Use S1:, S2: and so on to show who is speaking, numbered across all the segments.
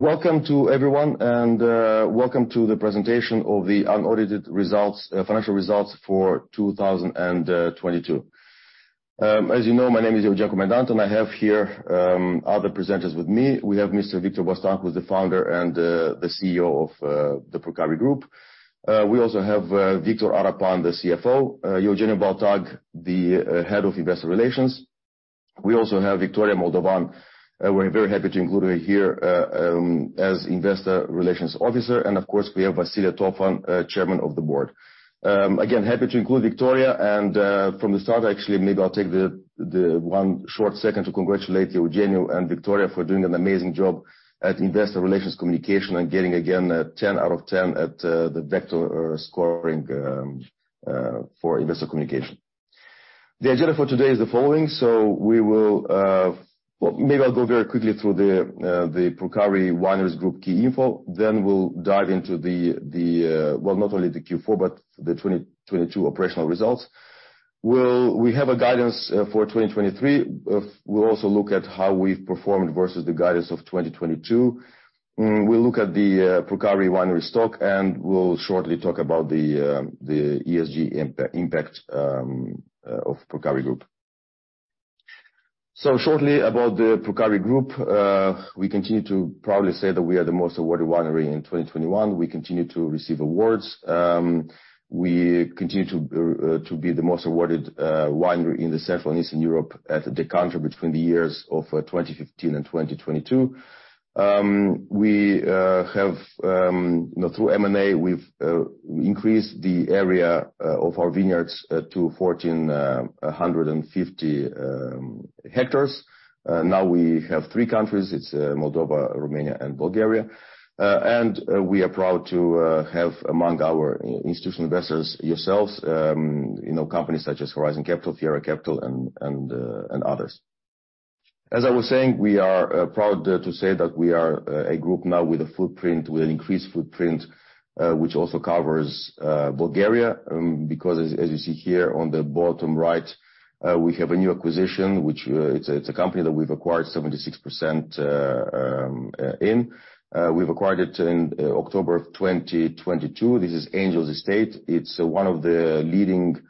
S1: Welcome to everyone, welcome to the presentation of the unaudited results, financial results for 2022. As you know, my name is Eugen Comendant, I have here other presenters with me. We have Mr. Victor Bostan, who is the founder and the CEO of the Purcari Group. We also have Victor Arapan, the CFO, Eugeniu Baltag, the Head of Investor Relations. We also have Victoria Moldovan, we're very happy to include her here, as Investor Relations Officer and of course, we have Vasile Tofan, Chairman of the Board. Happy to include Victoria and, from the start, actually, maybe I'll take one short second to congratulate Eugeniu and Victoria for doing an amazing job at investor relations communication and getting again a 10 out of 10 at the VECTOR scoring for investor communication. The agenda for today is the following. Well, maybe I'll go very quickly through the Purcari Wineries Group key info. We'll dive into the, well, not only the Q4, but the 2022 operational results. We have a guidance for 2023. We'll also look at how we've performed versus the guidance of 2022. We'll look at the Purcari Wineries stock, and we'll shortly talk about the ESG impact of Purcari Group. Shortly about the Purcari Group, we continue to proudly say that we are the most awarded winery in 2021. We continue to receive awards. We continue to be the most awarded winery in the Central and Eastern Europe at Decanter between the years of 2015 and 2022. We have, you know, through M&A, we've increased the area of our vineyards to 1,450 hectares. Now we have three countries. It's Moldova, Romania, and Bulgar ia. We are proud to have among our institutional investors yourselves, you know, companies such as Horizon Capital, Fiera Capital, and others. As I was saying, we are proud to say that we are a group now with an increased footprint, which also covers Bulgaria, because as you see here on the bottom right, we have a new acquisition, which it's a company that we've acquired 76% in. We've acquired it in October of 2022. This is Angel's Estate. It's one of the leading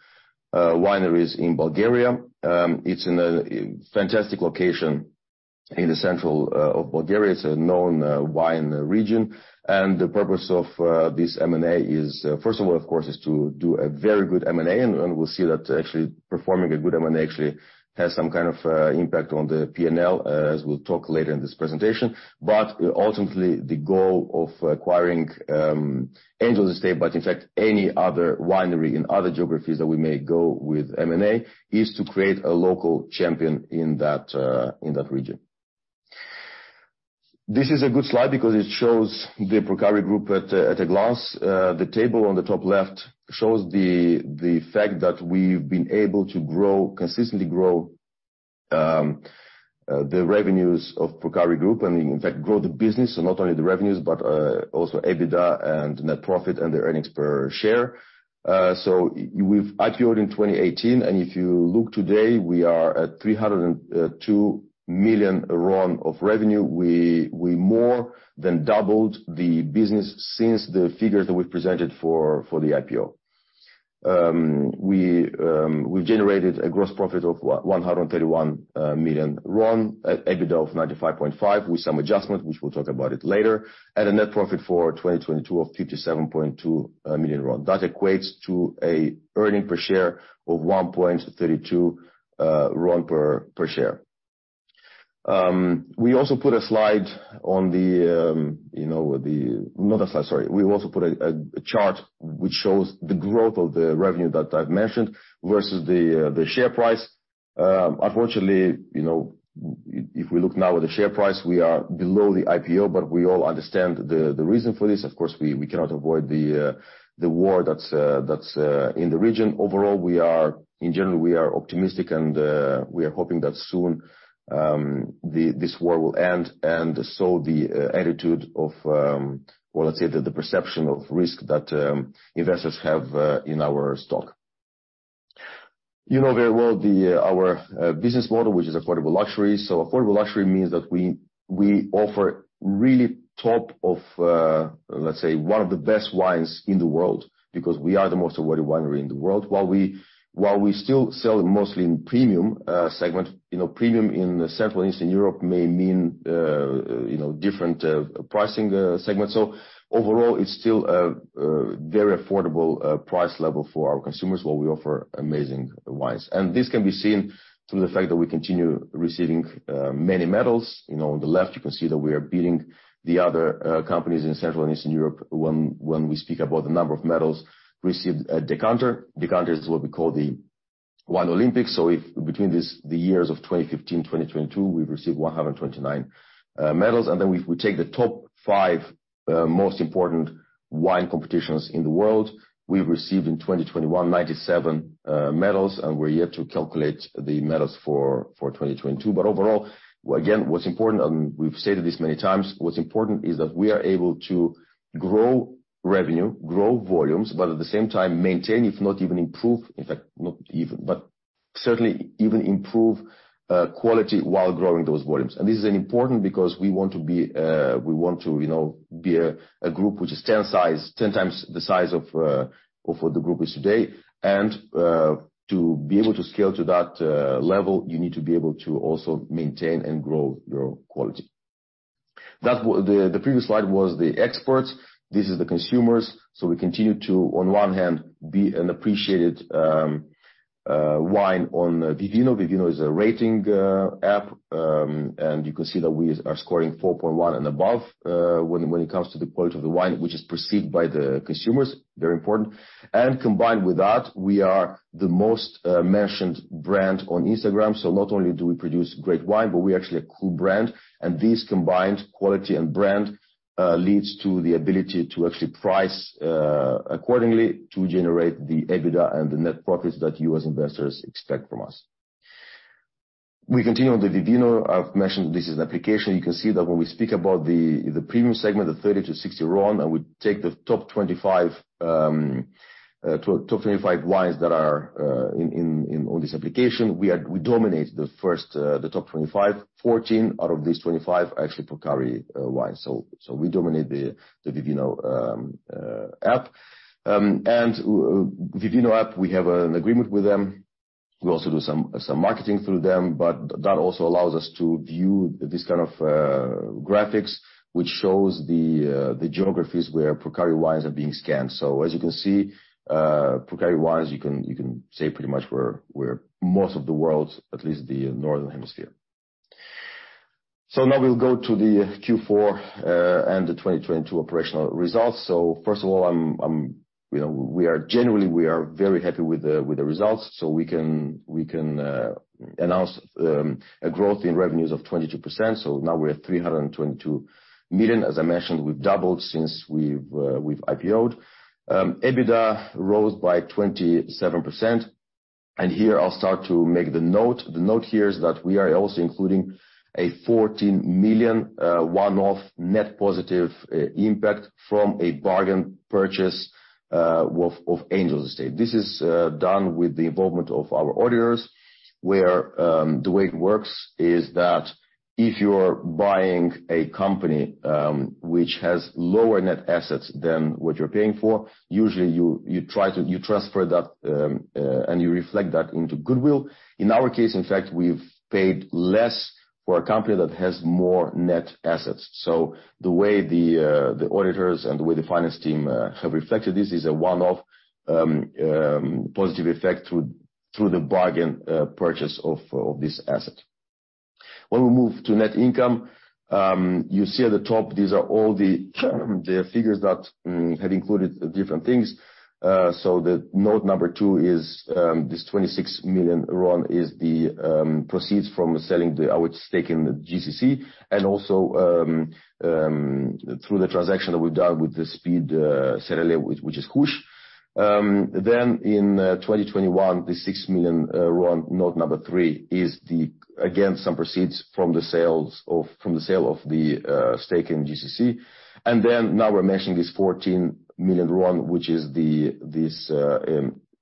S1: wineries in Bulgaria. It's in a fantastic location in the central of Bulgaria. It's a known wine region. The purpose of this M&A is, first of all, of course, is to do a very good M&A, and we'll see that actually performing a good M&A actually has some kind of impact on the P&L, as we'll talk later in this presentation. Ultimately, the goal of acquiring Angel's Estate, but in fact, any other winery in other geographies that we may go with M&A is to create a local champion in that region. This is a good slide because it shows the Purcari Group at a glance. The table on the top left shows the fact that we've been able to grow, consistently grow, the revenues of Purcari Group and in fact, grow the business. Not only the revenues, but also EBITDA and net profit and the earnings per share. we've IPOed in 2018, if you look today, we are at RON 302 million of revenue. We more than doubled the business since the figures that we've presented for the IPO. We've generated a gross profit of RON 131 million, EBITDA of 95.5 with some adjustment, which we'll talk about it later, and a net profit for 2022 of RON 57.2 million. That equates to a earning per share of RON 1.32 per share. We also put a slide on the, you know, the... Not a slide, sorry. We've also put a chart which shows the growth of the revenue that I've mentioned versus the share price. Unfortunately, you know, if we look now at the share price, we are below the IPO, but we all understand the reason for this. Of course, we cannot avoid the war that's in the region. In general, we are optimistic and we are hoping that soon this war will end and so the attitude of, well, let's say that the perception of risk that investors have in our stock. You know very well the our business model, which is affordable luxury. Affordable luxury means that we offer really top of, let's say, one of the best wines in the world because we are the most awarded winery in the world. While we still sell mostly in premium segment, you know, premium in the Central and Eastern Europe may mean, you know, different pricing segment. Overall, it's still a very affordable price level for our consumers while we offer amazing wines. This can be seen through the fact that we continue receiving many medals. You know, on the left, you can see that we are beating the other companies in Central and Eastern Europe when we speak about the number of medals received at Decanter. Decanter is what we call the Wine Olympics. If between these, the years of 2015-2022, we've received 129 medals. Then we take the top 5 most important wine competitions in the world. We received in 2021 97 medals, and we're yet to calculate the medals for 2022. Overall, again, what's important, and we've stated this many times, what's important is that we are able to grow revenue, grow volumes, but at the same time, maintain, if not even improve, in fact, not even, but certainly even improve quality while growing those volumes. This is an important because we want to be, we want to, you know, be a group which is 10 times the size of what the group is today. To be able to scale to that level, you need to be able to also maintain and grow your quality. The previous slide was the exports, this is the consumers. We continue to, on one hand, be an appreciated wine on Vivino. Vivino is a rating app, and you can see that we are scoring 4.1 and above when it comes to the quality of the wine which is perceived by the consumers, very important. Combined with that, we are the most mentioned brand on Instagram. Not only do we produce great wine, but we're actually a cool brand. These combined quality and brand leads to the ability to actually price accordingly to generate the EBITDA and the net profits that you as investors expect from us. We continue on the Vivino. I've mentioned this is an application. You can see that when we speak about the premium segment of RON 30-RON 60, we take the top 25 wines that are on this application, we dominate the first, the top 25. 14 out of these 25 are actually Purcari wines. We dominate the Vivino app. Vivino app, we have an agreement with them. We also do some marketing through them, but that also allows us to view this kind of graphics which shows the geographies where Purcari wines are being scanned. As you can see, Purcari wines, you can say pretty much we're most of the world, at least the northern hemisphere. Now we'll go to the Q4 and the 2022 operational results. First of all I'm, you know, we are generally very happy with the results. We can announce a growth in revenues of 22%. Now we're at RON 322 million. As I mentioned, we've doubled since we've IPO'd. EBITDA rose by 27%. Here I'll start to make the note. The note here is that we are also including a RON 14 million one-off net positive impact from a bargain purchase of Angel's Estate. This is done with the involvement of our auditors where the way it works is that if you're buying a company which has lower net assets than what you're paying for, usually you transfer that and you reflect that into goodwill. In our case, in fact, we've paid less for a company that has more net assets. The way the auditors and the way the finance team have reflected this is a one-off positive effect through the bargain purchase of this asset. When we move to net income, you see at the top these are all the figures that have included different things. The note number 2 is this RON 26 million is the proceeds from selling our stake in the GCC and also through the transaction that we've done with the Speed, which is Hush. In 2021, the RON 6 million, note number 3, is again some proceeds from the sale of the stake in GCC. Now we're mentioning this RON 14 million which is this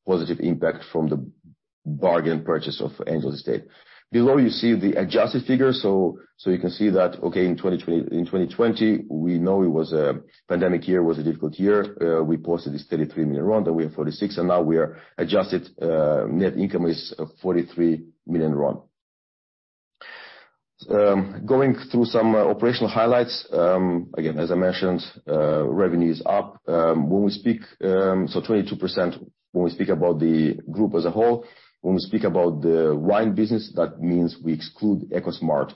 S1: positive impact from the bargain purchase of Angel's Estate. Below you see the adjusted figure. You can see that in 2020 we know it was a pandemic year, it was a difficult year. We posted this RON 33 million, then we have RON 46 million, and now our adjusted net income is RON 43 million. Going through some operational highlights, again, as I mentioned, revenue is up 22% when we speak about the group as a whole. When we speak about the wine business, that means we exclude Ecosmart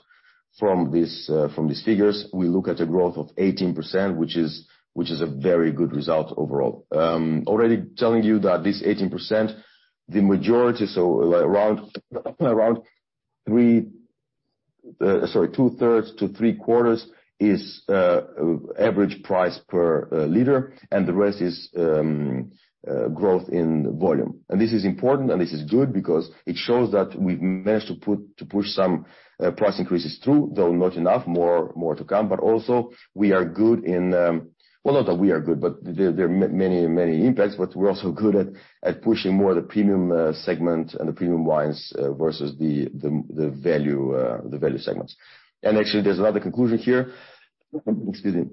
S1: from this, from these figures. We look at a growth of 18%, which is a very good result overall. Already telling you that this 18%, the majority, around 3, sorry, 2/3 to 3/4 is average price per liter, and the rest is growth in volume. This is important and this is good because it shows that we've managed to push some price increases through, though not enough, more, more to come, but also we are good in. Well, not that we are good, but there are many, many impacts, but we're also good at pushing more the premium segment and the premium wines versus the, the value, the value segments. Actually there's another conclusion here. Excuse me.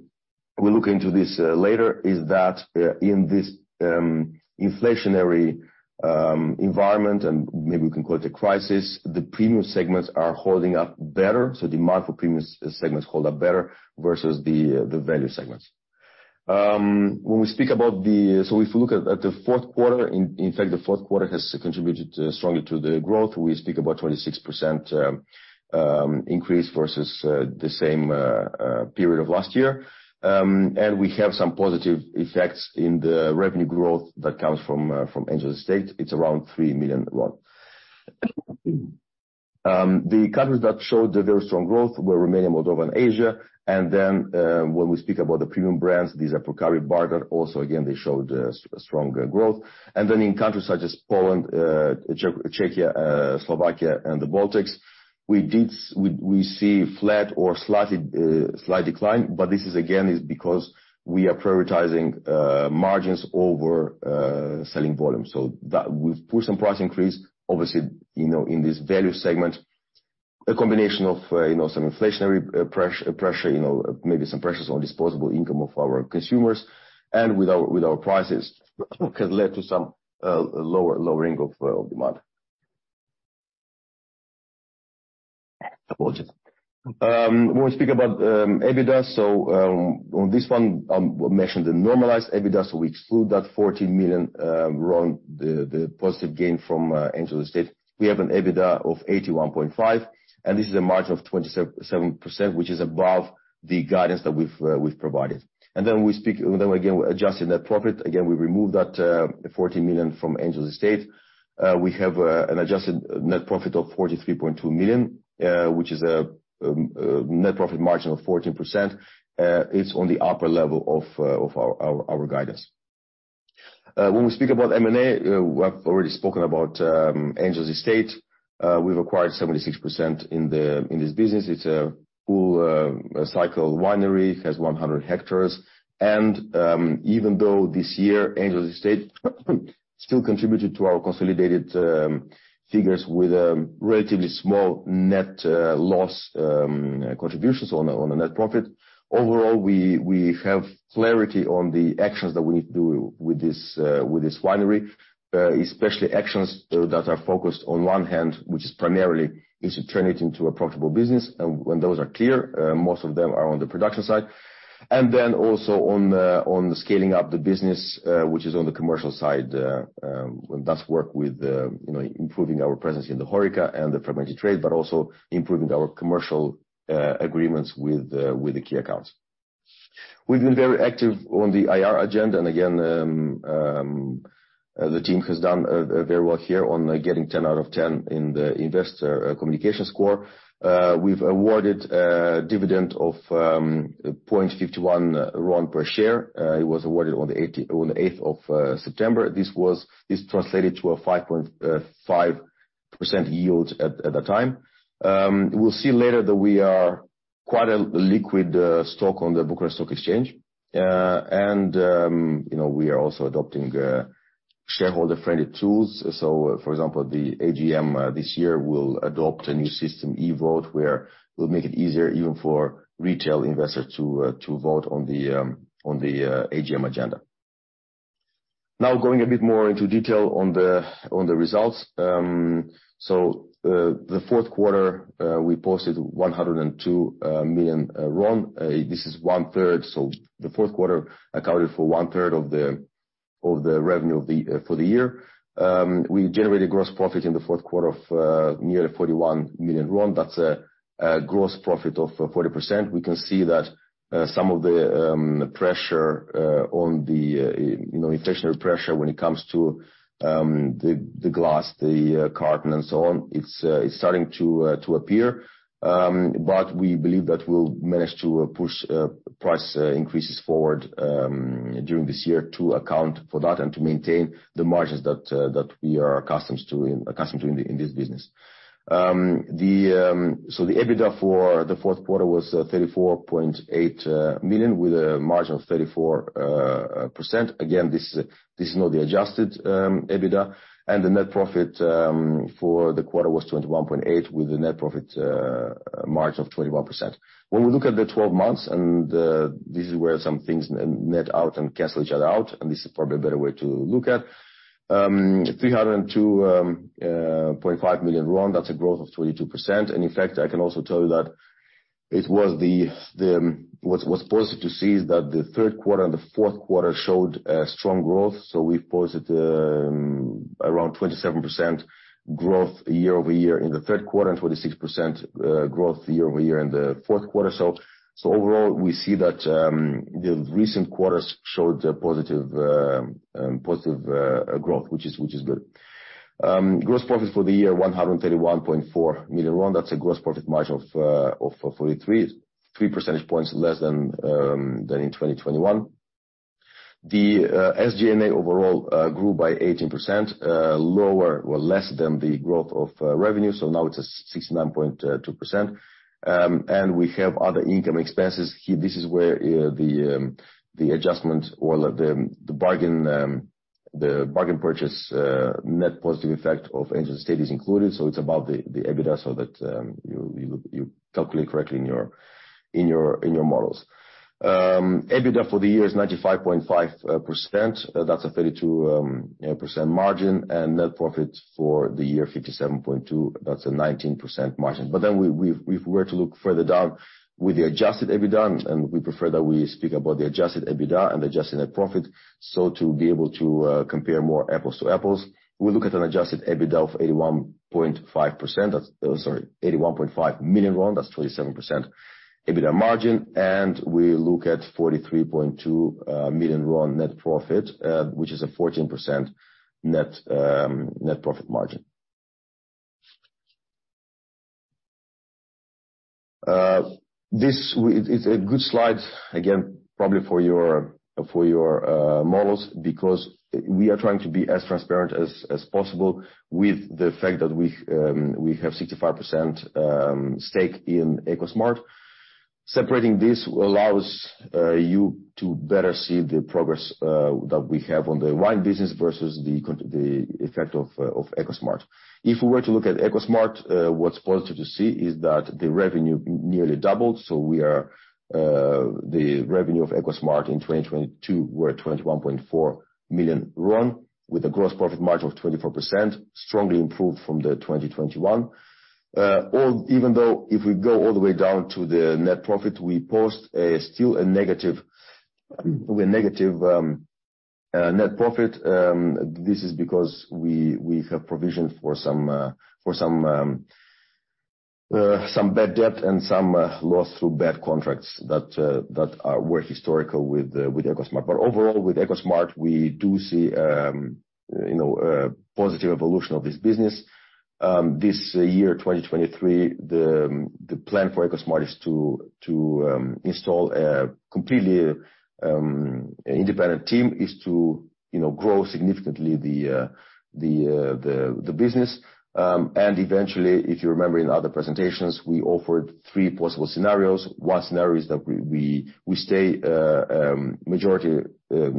S1: We'll look into this later, is that in this inflationary environment, and maybe we can call it a crisis, the premium segments are holding up better. Demand for premium segments hold up better versus the value segments. When we speak about So if you look at the fourth quarter, in fact, the fourth quarter has contributed strongly to the growth. We speak about 26% increase versus the same period of last year. We have some positive effects in the revenue growth that comes from Angel's Estate. It's around RON 3 million. The countries that showed a very strong growth were Romania, Moldova, and Asia. When we speak about the premium brands, these are Purcari, Bardar also again, they showed stronger growth. In countries such as Poland, Czechia, Slovakia, and the Baltics, we see flat or slighted, slight decline, but this is again, is because we are prioritizing margins over selling volume. We've pushed some price increase, obviously, you know, in this value segment. A combination of, you know, some inflationary pressure, you know, maybe some pressures on disposable income of our consumers and with our prices has led to some lowering of demand. When we speak about EBITDA, on this one, we mentioned the normalized EBITDA, we exclude that RON 14 million, the positive gain from Angel's Estate. We have an EBITDA of RON 81.5 million, and this is a margin of 27%, which is above the guidance that we've provided. We're adjusting net profit. Again, we remove that RON 14 million from Angel's Estate. We have an adjusted net profit of RON 43.2 million, which is a net profit margin of 14%. It's on the upper level of our guidance. When we speak about M&A, I've already spoken about Angel's Estate. We've acquired 76% in this business. It's a full cycle winery. It has 100 hectares. Even though this year, Angel's Estate still contributed to our consolidated figures with a relatively small net loss, contributions on the net profit. Overall, we have clarity on the actions that we need to do with this winery, especially actions that are focused on one hand, which is primarily is to turn it into a profitable business. When those are clear, most of them are on the production side. Then also on the scaling up the business, which is on the commercial side. That's work with, you know, improving our presence in the HoReCa and the fragmented trade, but also improving our commercial agreements with the key accounts. Again, the team has done very well here on getting 10 out of 10 in the investor communication score. We've awarded a dividend of RON 0.51 per share. It was awarded on the eighth of September. This translated to a 5.5% yield at that time. We'll see later that we are quite a liquid stock on the Bucharest Stock Exchange. You know, we are also adopting shareholder-friendly tools. For example, the AGM this year will adopt a new system e-vote, where we'll make it easier even for retail investors to vote on the AGM agenda. Going a bit more into detail on the results. The fourth quarter, we posted RON 102 million. This is one-third. The fourth quarter accounted for one-third of the revenue for the year. We generated gross profit in the fourth quarter of nearly RON 41 million. That's a gross profit of 40%. We can see that some of the pressure on the, you know, inflationary pressure when it comes to the glass, the carton and so on. It's starting to appear. We believe that we'll manage to push price increases forward during this year to account for that and to maintain the margins that we are accustomed to in this business. The EBITDA for the fourth quarter was RON 34.8 million, with a margin of 34%. Again, this is not the adjusted EBITDA, the net profit for the quarter was RON 21.8, with the net profit margin of 21%. When we look at the 12 months, this is where some things net out and cancel each other out, this is probably a better way to look at. RON 302.5 million, that's a growth of 22%. In fact, I can also tell you that it was what's positive to see is that the third quarter and the fourth quarter showed strong growth. We've posted around 27% growth year-over-year in the third quarter, and 26% growth year-over-year in the fourth quarter. Overall, we see that the recent quarters showed a positive positive growth, which is good. Gross profit for the year, RON 131.4 million. That's a gross profit margin of 43, three percentage points less than in 2021. The SG&A overall grew by 18% lower or less than the growth of revenue. Now it's at 69.2%. And we have other income expenses. Here this is where the adjustment or the bargain bargain purchase net positive effect of Angel's Estate is included. It's above the EBITDA, so that you calculate correctly in your models. EBITDA for the year is 95.5%. That's a 32%, you know, margin. Net profit for the year, RON 57.2 million. That's a 19% margin. If we were to look further down with the adjusted EBITDA, and we prefer that we speak about the adjusted EBITDA and adjusted net profit, so to be able to compare more apples to apples. We look at an adjusted EBITDA of RON 81.5 million. That's a 27% EBITDA margin. We look at RON 43.2 million net profit, which is a 14% net profit margin. This is a good slide, again, probably for your, for your models because we are trying to be as transparent as possible with the fact that we have 65% stake in Ecosmart. Separating this allows you to better see the progress that we have on the wine business versus the effect of Ecosmart. If we were to look at Ecosmart, what's positive to see is that the revenue nearly doubled. We are the revenue of Ecosmart in 2022 were RON 21.4 million, with a gross profit margin of 24%, strongly improved from the 2021. All even though if we go all the way down to the net profit, we post a still a negative net profit. This is because we have provisioned for some bad debt and some loss through bad contracts that were historical with Ecosmart. Overall, with Ecosmart, we do see, you know, positive evolution of this business. This year, 2023, the plan for Ecosmart is to install a completely independent team, is to, you know, grow significantly the business. Eventually, if you remember in other presentations, we offered three possible scenarios. One scenario is that we stay majority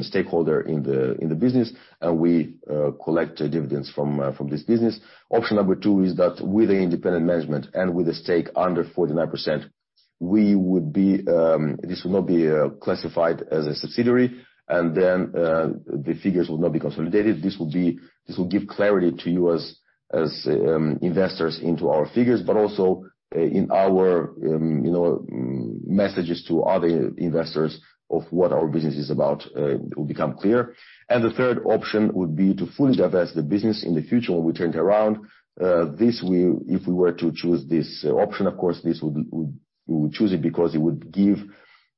S1: stakeholder in the business, and we collect dividends from this business. Option number two is that with independent management and with a stake under 49%, we would be. This will not be classified as a subsidiary, the figures will not be consolidated. This will give clarity to you as investors into our figures, but also, in our, you know, messages to other investors of what our business is about, will become clear. The third option would be to fully divest the business in the future when we turn it around. If we were to choose this option, of course, we would choose it because it would give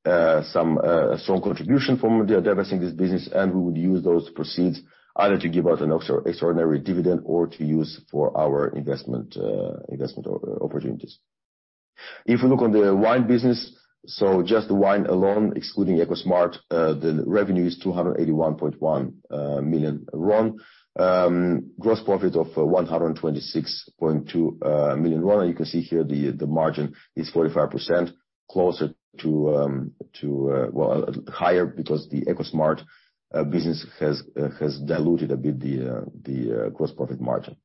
S1: some strong contribution from divesting this business, and we would use those proceeds either to give out an extraordinary dividend or to use for our investment opportunities. We look on the wine business, just the wine alone, excluding Ecosmart, the revenue is RON 281.1 million. Gross profit of RON 126.2 million. You can see here the margin is 45%, closer to, well, higher because the Ecosmart business has diluted a bit the gross profit margin.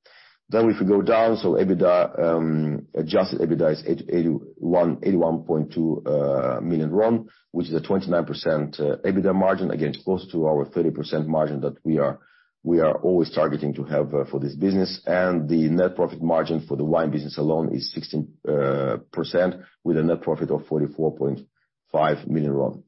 S1: If we go down, EBITDA, adjusted EBITDA is RON 81.2 million, which is a 29% EBITDA margin. Again, it's close to our 30% margin that we are always targeting to have for this business. The net profit margin for the wine business alone is 16% with a net profit of RON 44.5 million.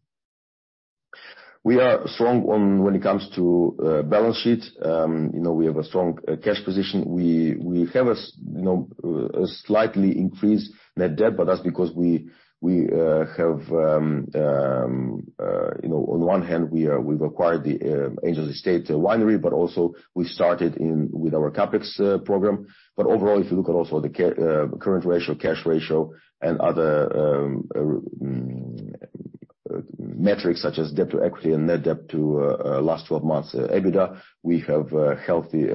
S1: We are strong on when it comes to balance sheet. You know, we have a strong cash position. We have a, you know, a slightly increased net debt, but that's because we have, you know, on one hand, we've acquired the Angel's Estate Winery, but also we started with our CapEx program. Overall, if you look at also the current ratio, cash ratio and other metrics such as debt to equity and net debt to last 12 months EBITDA, we have a healthy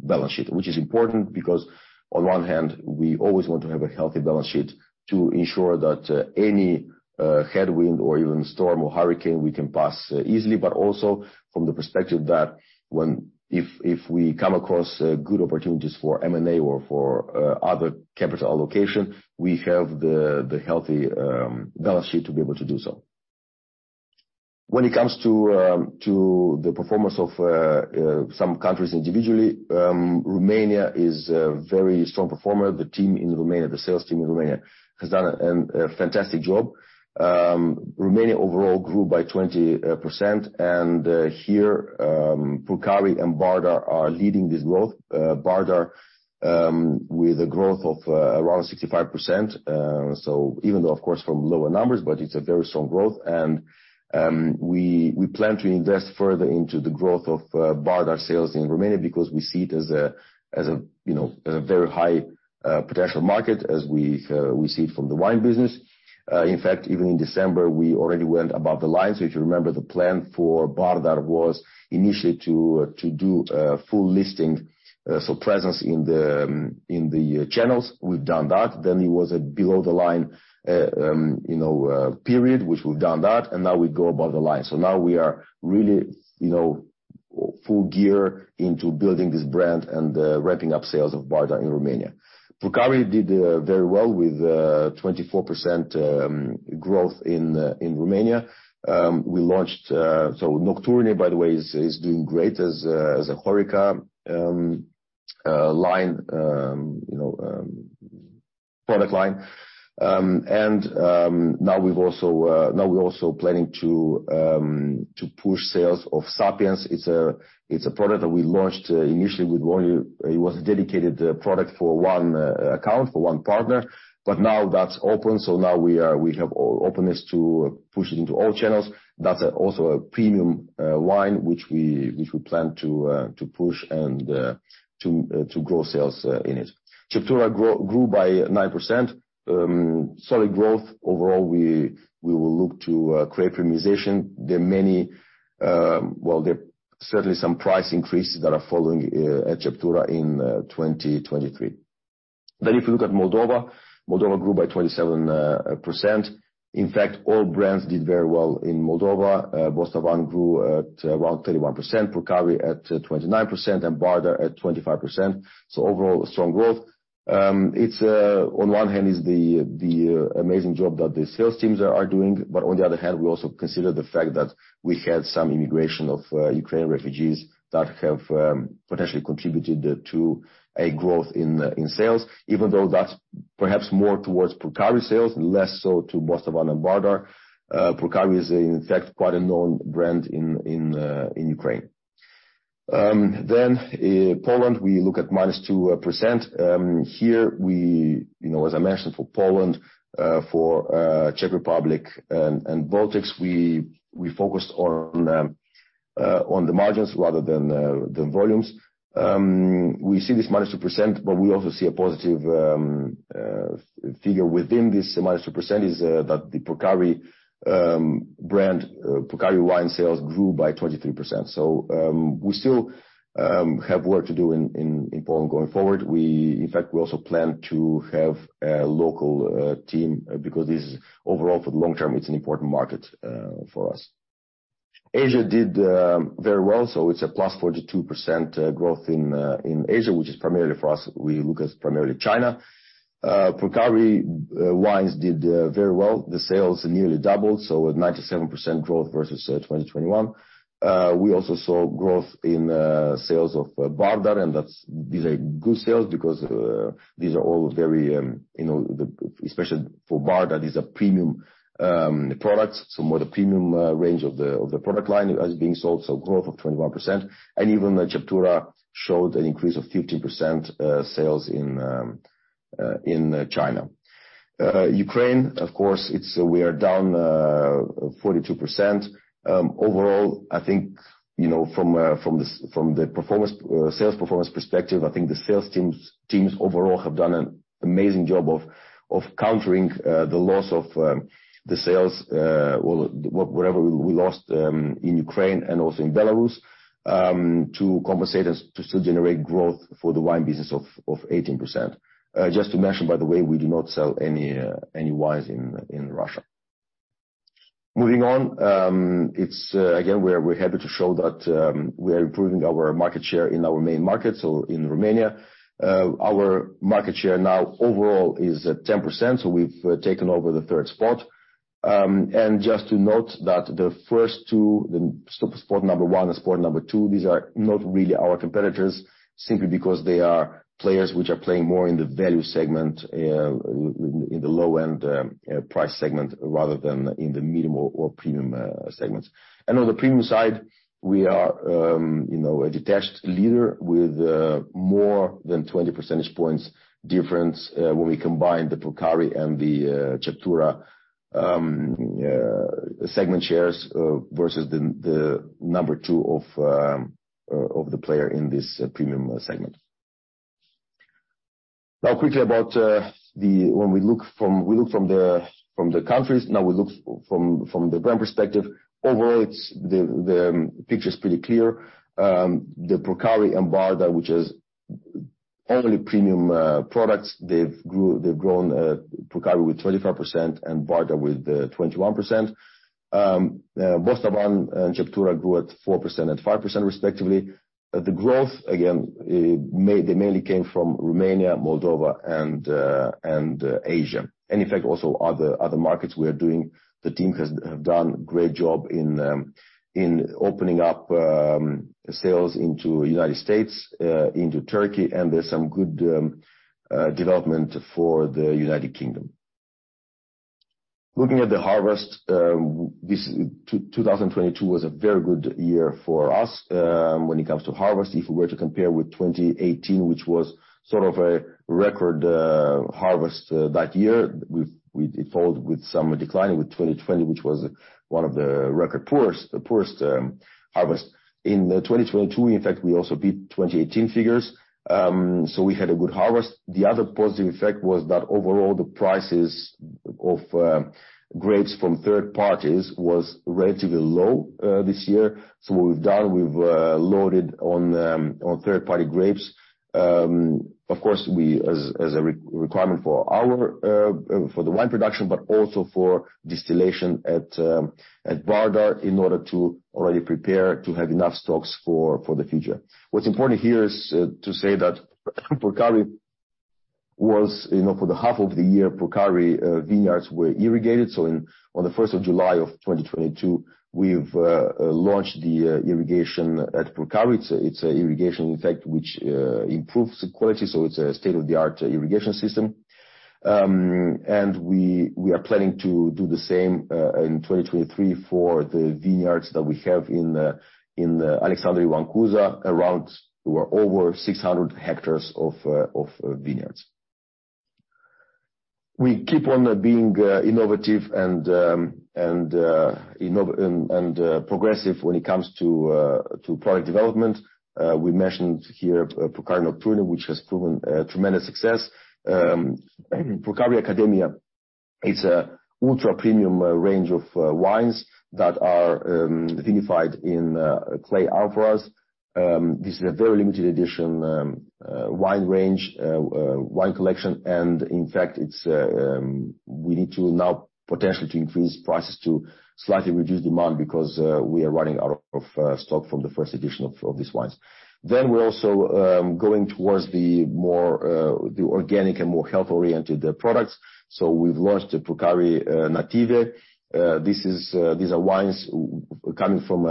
S1: balance sheet, which is important because on one hand, we always want to have a healthy balance sheet to ensure that any headwind or even storm or hurricane we can pass easily. Also from the perspective that if we come across good opportunities for M&A or for other capital allocation, we have the healthy balance sheet to be able to do so. When it comes to the performance of some countries individually, Romania is a very strong performer. The team in Romania, the sales team in Romania has done a fantastic job. Romania overall grew by 20%. Here, Purcari and Bardar are leading this growth. Bardar with a growth of around 65%. Even though of course from lower numbers, but it's a very strong growth. We plan to invest further into the growth of Bardar sales in Romania because we see it as a, as a, you know, a very high potential market as we see it from the wine business. In fact, even in December, we already went above the line. If you remember the plan for Bardar was initially to do full listing, so presence in the channels. We've done that. It was a below the line, you know, period, which we've done that, and now we go above the line. Now we are really, you know, full gear into building this brand and ramping up sales of Bardar in Romania. Purcari did very well with 24% growth in Romania. We launched, so Nocturne, by the way, is doing great as a HoReCa line, you know, product line. Now we're also planning to push sales of Sapiens. It's a product that we launched initially. It was a dedicated product for one account, for one partner, but now that's open. Now we have openness to push it into all channels. That's also a premium wine, which we plan to push and to grow sales in it. Crama Ceptura grew by 9%. Solid growth overall. We will look to create premiumization. There are certainly some price increases that are following at Crama Ceptura in 2023. If you look at Moldova grew by 27%. In fact, all brands did very well in Moldova. Bostavan grew at around 31%, Purcari at 29%, and Bardar at 25%. Overall strong growth. It's on one hand is the amazing job that the sales teams are doing. On the other hand, we also consider the fact that we had some immigration of Ukraine refugees that have potentially contributed to a growth in sales, even though that's perhaps more towards Purcari sales, less so to Bostavan and Bardar. Purcari is in fact quite a known brand in Ukraine. Poland, we look at -2%. Here, you know, as I mentioned, for Poland, for Czech Republic and Baltics, we focused on the margins rather than volumes. We see this -2%, we also see a positive figure within this -2% that the Purcari brand Purcari wine sales grew by 23%. We still have work to do in Poland going forward. We also plan to have a local team because this is overall for the long term, it's an important market for us. Asia did very well, it's a +42% growth in Asia, which is primarily for us, we look as primarily China. Purcari wines did very well. The sales nearly doubled with 97% growth versus 2021. We also saw growth in sales of Bardar, these are good sales because these are all very, you know, especially for Bardar, these are premium products. More the premium range of the product line as being sold, growth of 21%. Even Crama Ceptura showed an increase of 15% sales in China. Ukraine, of course, we are down 42%. Overall, I think, you know, from the performance sales performance perspective, I think the sales teams overall have done an amazing job of countering the loss of the sales whatever we lost in Ukraine and also in Belarus, to compensate us to still generate growth for the wine business of 18%. Just to mention, by the way, we do not sell any wines in Russia. Moving on, it's again, we're happy to show that we are improving our market share in our main markets or in Romania. Our market share now overall is at 10%, so we've taken over the third spot. Just to note that the first two, the spot number one and spot number two, these are not really our competitors simply because they are players which are playing more in the value segment, in the low end, price segment rather than in the medium or premium segments. On the premium side, we are, you know, a detached leader with more than 20% points difference when we combine the Purcari and the Ceptura segment shares versus the number 2 of the player in this premium segment. Quickly about the countries, now we look from the brand perspective. Overall, the picture is pretty clear. The Purcari and Bardar, which is only premium products, they've grown Purcari with 25% and Bardar with 21%. Bostavan and Ceptura grew at 4% and 5% respectively. The growth, again, mainly came from Romania, Moldova, and Asia. In fact, also other markets we are doing. The team have done great job in opening up sales into United States, into Turkey, there's some good development for the United Kingdom. Looking at the harvest, this 2022 was a very good year for us when it comes to harvest. If we were to compare with 2018, which was sort of a record harvest that year, we followed with some decline with 2020, which was one of the record poorest harvest. In 2022, in fact, we also beat 2018 figures. We had a good harvest. The other positive effect was that overall the prices of grapes from third parties was relatively low this year. What we've done, we've loaded on third-party grapes. Of course, we as a requirement for our for the wine production, but also for distillation at Bardar in order to already prepare to have enough stocks for the future. What's important here is to say that Purcari was, you know, for the half of the year, Purcari vineyards were irrigated. On the first of July of 2022, we've launched the irrigation at Purcari. It's a irrigation in fact which improves the quality, so it's a state-of-the-art irrigation system. We are planning to do the same in 2023 for the vineyards that we have in Alexandru Loan Cuza around over 600 hectares of vineyards. We keep on being innovative and progressive when it comes to product development. We mentioned here Purcari Nocturne, which has proven a tremendous success. Purcari Academia. It's a ultra-premium range of wines that are vinified in clay amphoras. This is a very limited edition wine range, wine collection. In fact, it's we need to now potentially to increase prices to slightly reduce demand because we are running out of stock from the first edition of these wines. We're also going towards the more the organic and more health-oriented products. We've launched the Purcari Native. This is, these are wines coming from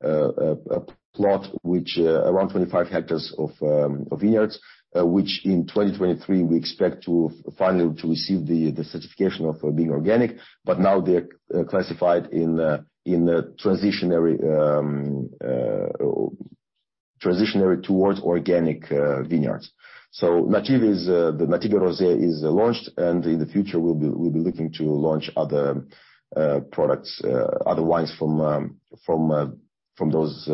S1: a plot which, around 25 hectares of vineyards, which in 2023 we expect to finally to receive the certification of being organic. Now they're classified in a transitionary towards organic vineyards. Native is, the Native Rosé is launched, and in the future we'll be looking to launch other products, other wines from from those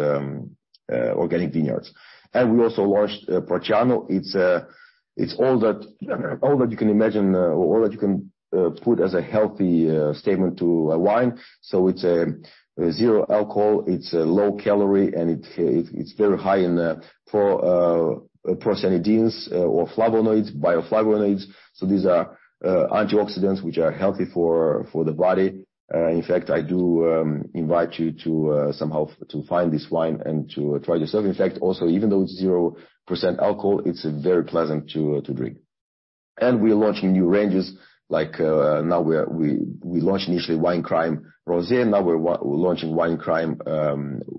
S1: organic vineyards. We also launched Prociano. It's all that you can imagine, all that you can put as a healthy statement to a wine. It's zero alcohol, it's low calorie, and it's very high in procyanidins or flavonoids, bioflavonoids. These are antioxidants which are healthy for the body. In fact, I do invite you to somehow to find this wine and to try this out. In fact, also, even though it's 0% alcohol, it's very pleasant to drink. We're launching new ranges like now we launched initially Wine Crime Rosé, now we're launching Wine Crime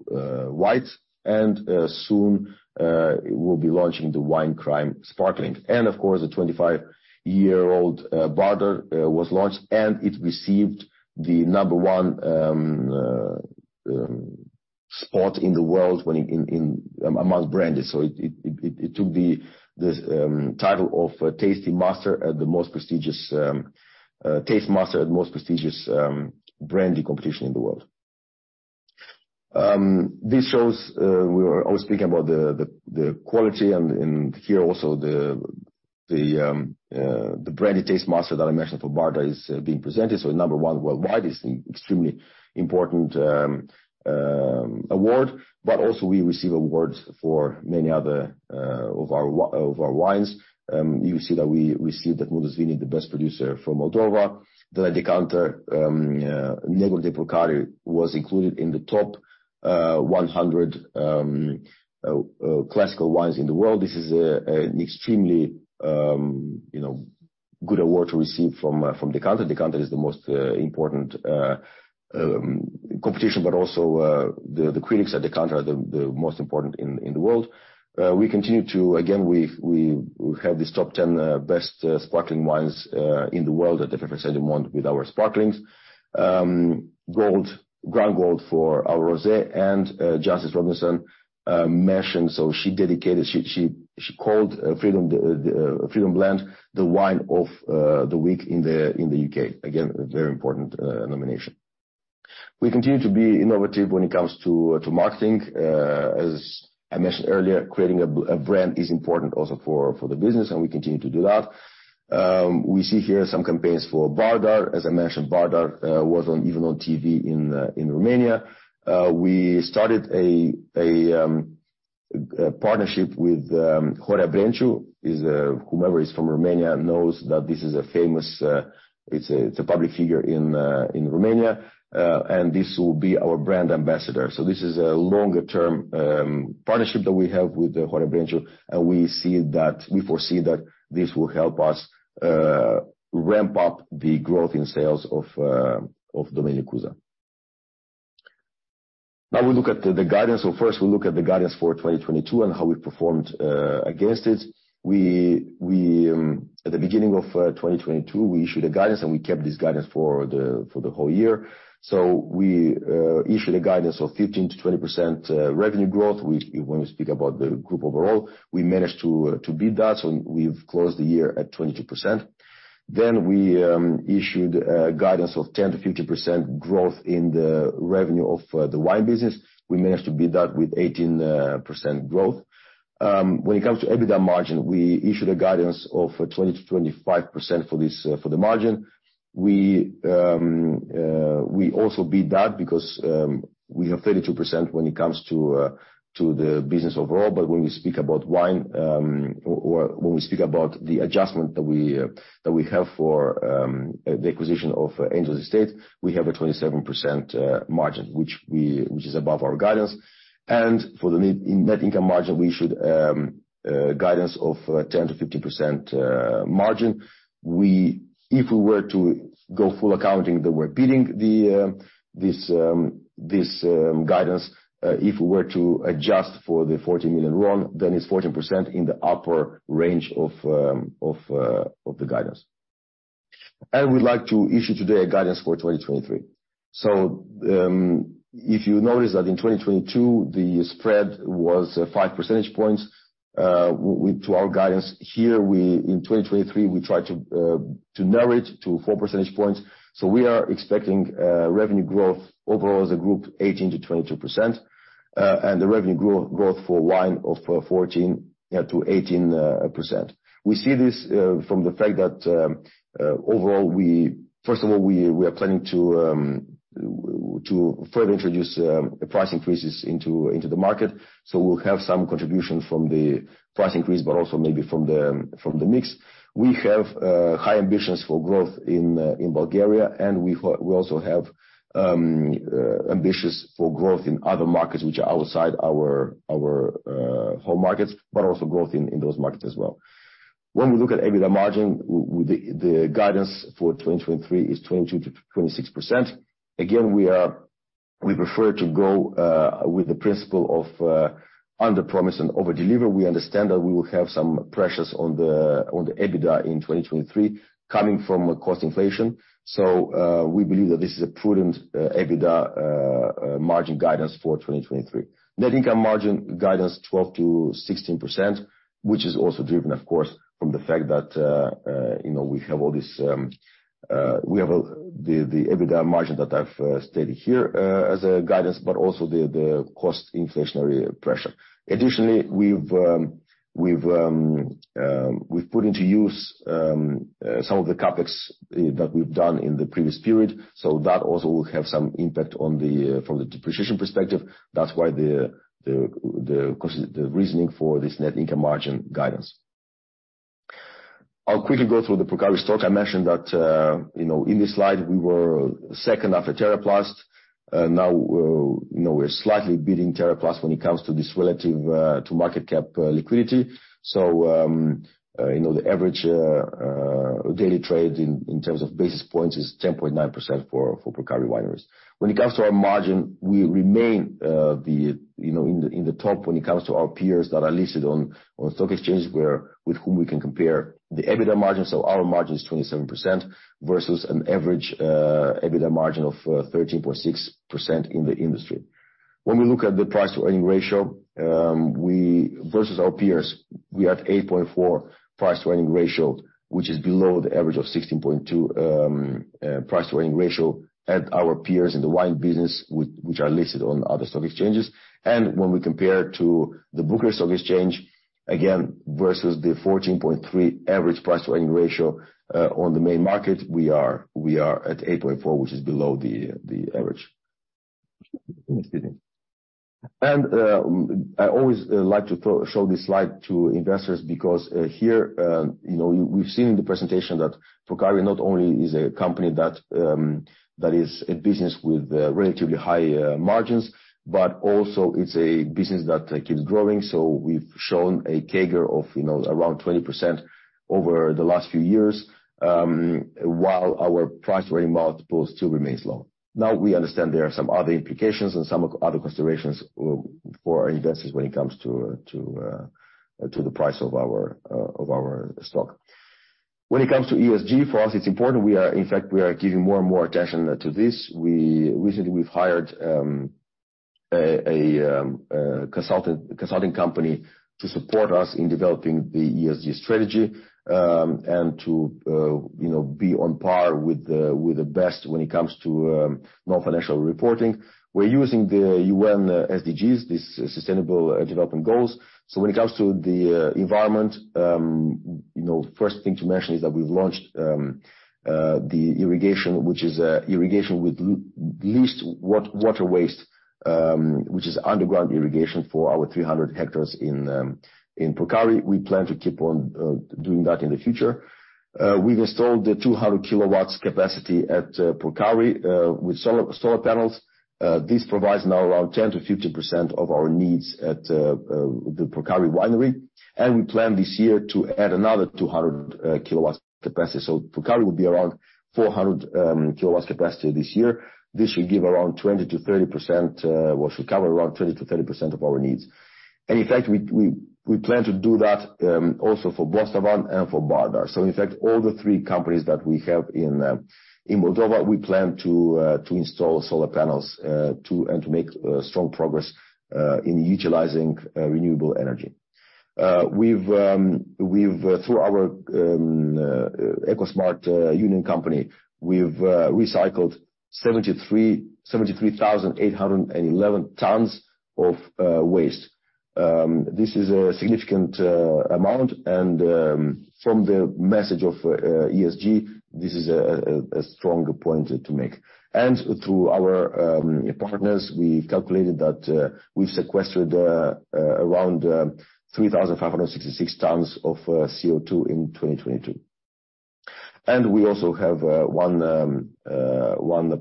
S1: White, soon we'll be launching the Wine Crime Sparkling. Of course, the 25-year-old Bardar was launched, and it received the number one spot in the world when among brandy. It took the title of Taste Master at the most prestigious brandy competition in the world. This shows, we were always speaking about the quality and here also the Brandy Taste Master that I mentioned for Bardar is being presented. Number 1 worldwide is extremely important award, but also we receive awards for many other of our wines. You see that we received at Mundus Vini, the best producer from Moldova. The Decanter, Negru de Purcari was included in the top 100 classical wines in the world. This is an extremely, you know, good award to receive from Decanter. Decanter is the most important competition, but also the critics at Decanter are the most important in the world. We continue to... Again, we've, we have this top 10 best sparkling wines in the world at the Effervescents du Monde with our sparklings. Gold, grand gold for our rosé and Jancis Robinson mentioned, so she dedicated, she called Freedom, the Freedom Blend, the wine of the week in the UK. Again, a very important nomination. We continue to be innovative when it comes to marketing. As I mentioned earlier, creating a brand is important also for the business, and we continue to do that. We see here some campaigns for Bardar. As I mentioned, Bardar was even on TV in Romania. We started a partnership with Horea Brenciu. Whoever is from Romania knows that this is a famous, it's a public figure in Romania, and this will be our brand ambassador. This is a longer-term partnership that we have with Horea Brenciu, we foresee that this will help us ramp up the growth in sales of Crama Ceptura We look at the guidance. First, we look at the guidance for 2022 and how we performed against it. We at the beginning of 2022, we issued a guidance and we kept this guidance for the whole year. We issued a guidance of 15%-20% revenue growth. We, when we speak about the group overall, we managed to beat that, so we've closed the year at 22%. We issued a guidance of 10%-50% growth in the revenue of the wine business. We managed to beat that with 18% growth. When it comes to EBITDA margin, we issued a guidance of 20%-25% for this for the margin. We also beat that because we have 32% when it coming to the business overall. When we speak about wine, or when we speak about the adjustment that we that we have for the acquisition of Angel's Estate, we have a 27% margin, which is above our guidance. For the net income margin, we issued guidance of 10%-50% margin. If we were to go full accounting that we're beating the this guidance, if we were to adjust for the RON 40 million, then it's 14% in the upper range of the guidance. I would like to issue today a guidance for 2023. If you notice that in 2022, the spread was 5 percentage points to our guidance here, in 2023, we try to narrow it to 4 percentage points. We are expecting revenue growth overall as a group 18%-22%, and the revenue growth for wine of 14%-18%. We see this from the fact that overall, first of all, we are planning to further introduce price increases into the market. We'll have some contribution from the price increase, but also maybe from the mix. We have high ambitions for growth in Bulgaria, and we also have ambitions for growth in other markets which are outside our home markets, but also growth in those markets as well. When we look at EBITDA margin, the guidance for 2023 is 22%-26%. Again, we prefer to go with the principle of underpromise and overdeliver. We understand that we will have some pressures on the EBITDA in 2023 coming from a cost inflation. We believe that this is a prudent EBITDA margin guidance for 2023. Net income margin guidance 12%-16%, which is also driven, of course, from the fact that, you know, we have all this, the EBITDA margin that I've stated here as a guidance, but also the cost inflationary pressure. Additionally, we've put into use some of the CapEx that we've done in the previous period, so that also will have some impact on the from the depreciation perspective. That's why the cost is the reasoning for this net income margin guidance. I'll quickly go through the Purcari stock. I mentioned that, you know, in this slide we were second after TeraPlast. Now, you know, we're slightly beating TeraPlast when it comes to this relative to market cap liquidity. So, you know, the average daily trade in terms of basis points is 10.9% for Purcari Wineries. When it comes to our margin, we remain, you know, in the top when it comes to our peers that are listed on stock exchanges where with whom we can compare the EBITDA margins. So our margin is 27% versus an average EBITDA margin of 13.6% in the industry. When we look at the price-to-earnings ratio, we versus our peers, we have 8.4 price-to-earnings ratio, which is below the average of 16.2 price-to-earnings ratio at our peers in the wine business which are listed on other stock exchanges. When we compare to the Bucharest Stock Exchange, again versus the 14.3 average price-to-earnings ratio on the main market, we are at 8.4, which is below the average. Excuse me. I always like to show this slide to investors because here, you know, we've seen in the presentation that Purcari not only is a company that is in business with relatively high margins, but also it's a business that keeps growing. We've shown a CAGR of, you know, around 20% over the last few years, while our price to earnings multiple still remains low. We understand there are some other implications and some other considerations for our investors when it comes to the price of our stock. When it comes to ESG, for us it's important. We are in fact giving more and more attention to this. We recently hired a consultant, consulting company to support us in developing the ESG strategy, and to, you know, be on par with the best when it comes to non-financial reporting. We're using the UN SDGs, these sustainable development goals. When it comes to the environment, you know, first thing to mention is that we've launched the irrigation, which is irrigation with least water waste, which is underground irrigation for our 300 hectares in Purcari. We plan to keep on doing that in the future. We've installed the 200 KW capacity at Purcari with solar panels. This provides now around 10%-15% of our needs at the Purcari Winery. We plan this year to add another 200 KW capacity. Purcari will be around 400 KW capacity this year. This should give around 20%-30%, or should cover around 20%-30% of our needs. In fact, we plan to do that also for Bostavan and for Bardar. In fact, all the three companies that we have in Moldova, we plan to install solar panels to make strong progress in utilizing renewable energy. We've, through our Ecosmart Union SA company, recycled 73,811 tons of waste. This is a significant amount, and from the message of ESG, this is a strong point to make. Through our partners, we calculated that we've sequestered around 3,566 tons of CO2 in 2022. We also have one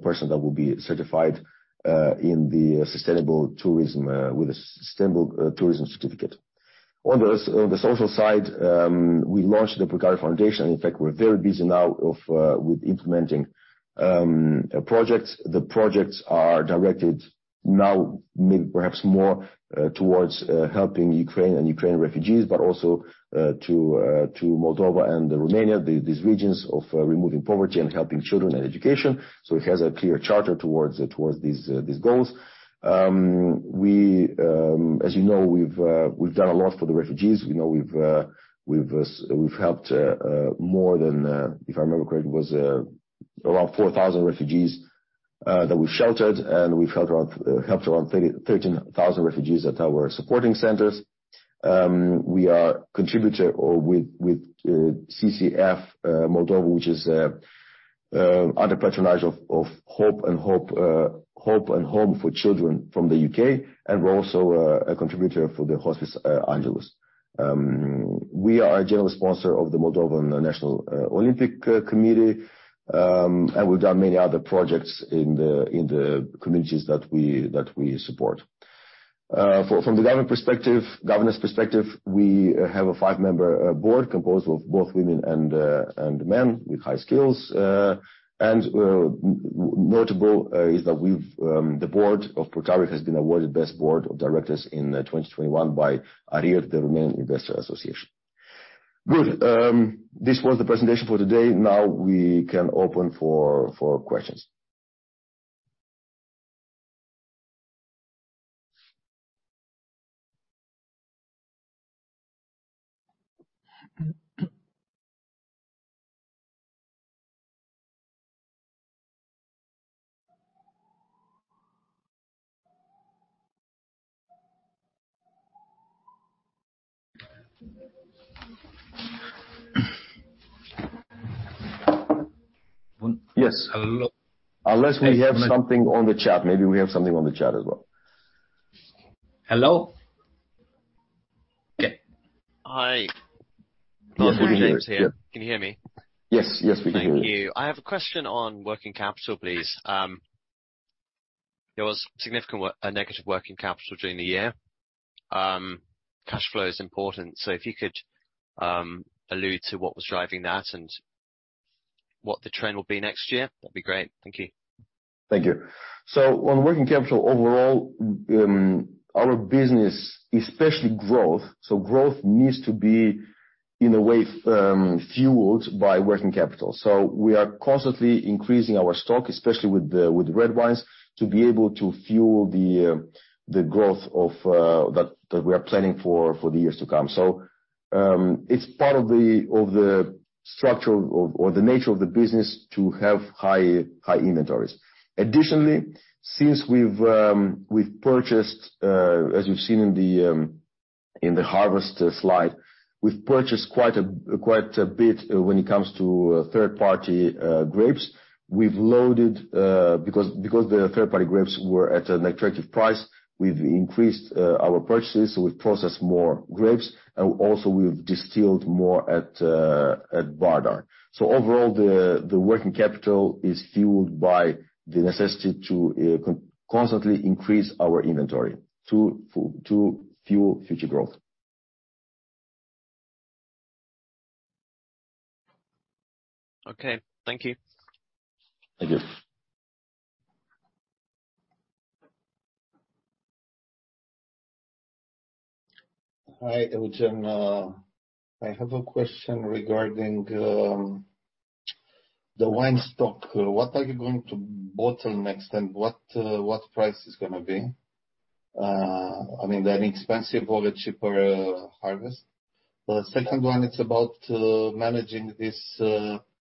S1: person that will be certified in the sustainable tourism with a sustainable tourism certificate. On the social side, we launched the Purcari Foundation. In fact, we're very busy now of with implementing projects. The projects are directed now maybe perhaps more towards helping Ukraine and Ukraine refugees, but also to Moldova and Romania, these regions of removing poverty and helping children and education. It has a clear charter towards these goals. We, as you know, we've done a lot for the refugees. You know, we've helped more than, if I remember correctly, it was around 4,000 refugees that we've sheltered, and we've helped around 13,000 refugees at our supporting centers. We are contributor or with CCF Moldova, which is under patronage of Hope and Homes for Children from the U.K., and we're also a contributor for the Hospice Angelus. We are a general sponsor of the Moldovan National Olympic Committee. We've done many other projects in the communities that we support. From the governance perspective, we have a 5-member board composed of both women and men with high skills. Notable is that we've the board of Purcari has been awarded best board of directors in 2021 by ARIR, the Romanian Investor Relations Association. Good. This was the presentation for today. Now we can open for questions. Yes.
S2: Hello.
S1: Unless we have something on the chat. Maybe we have something on the chat as well.
S2: Hello? Hi.
S1: Yes, we can hear you.
S2: Can you hear me?
S1: Yes. Yes, we can hear you.
S2: Thank you. I have a question on working capital, please. There was significant negative working capital during the year. Cash flow is important. If you could allude to what was driving that and what the trend will be next year, that'd be great. Thank you.
S1: Thank you. On working capital overall, our business, especially growth needs to be, in a way, fueled by working capital. We are constantly increasing our stock, especially with the red wines, to be able to fuel the growth of that we are planning for the years to come. It's part of the structure of, or the nature of the business to have high inventories. Additionally, since we've purchased, as you've seen in the harvest slide, we've purchased quite a bit when it comes to third party grapes. We've loaded, because the third party grapes were at an attractive price, we've increased our purchases, so we've processed more grapes, and also we've distilled more at Bardar. Overall, the working capital is fueled by the necessity to constantly increase our inventory to fuel future growth.
S2: Okay. Thank you.
S1: Thank you.
S3: Hi, Eugen. I have a question regarding the wine stock. What are you going to bottle next, and what price is gonna be? I mean, they're an expensive or a cheaper harvest. The second one is about managing this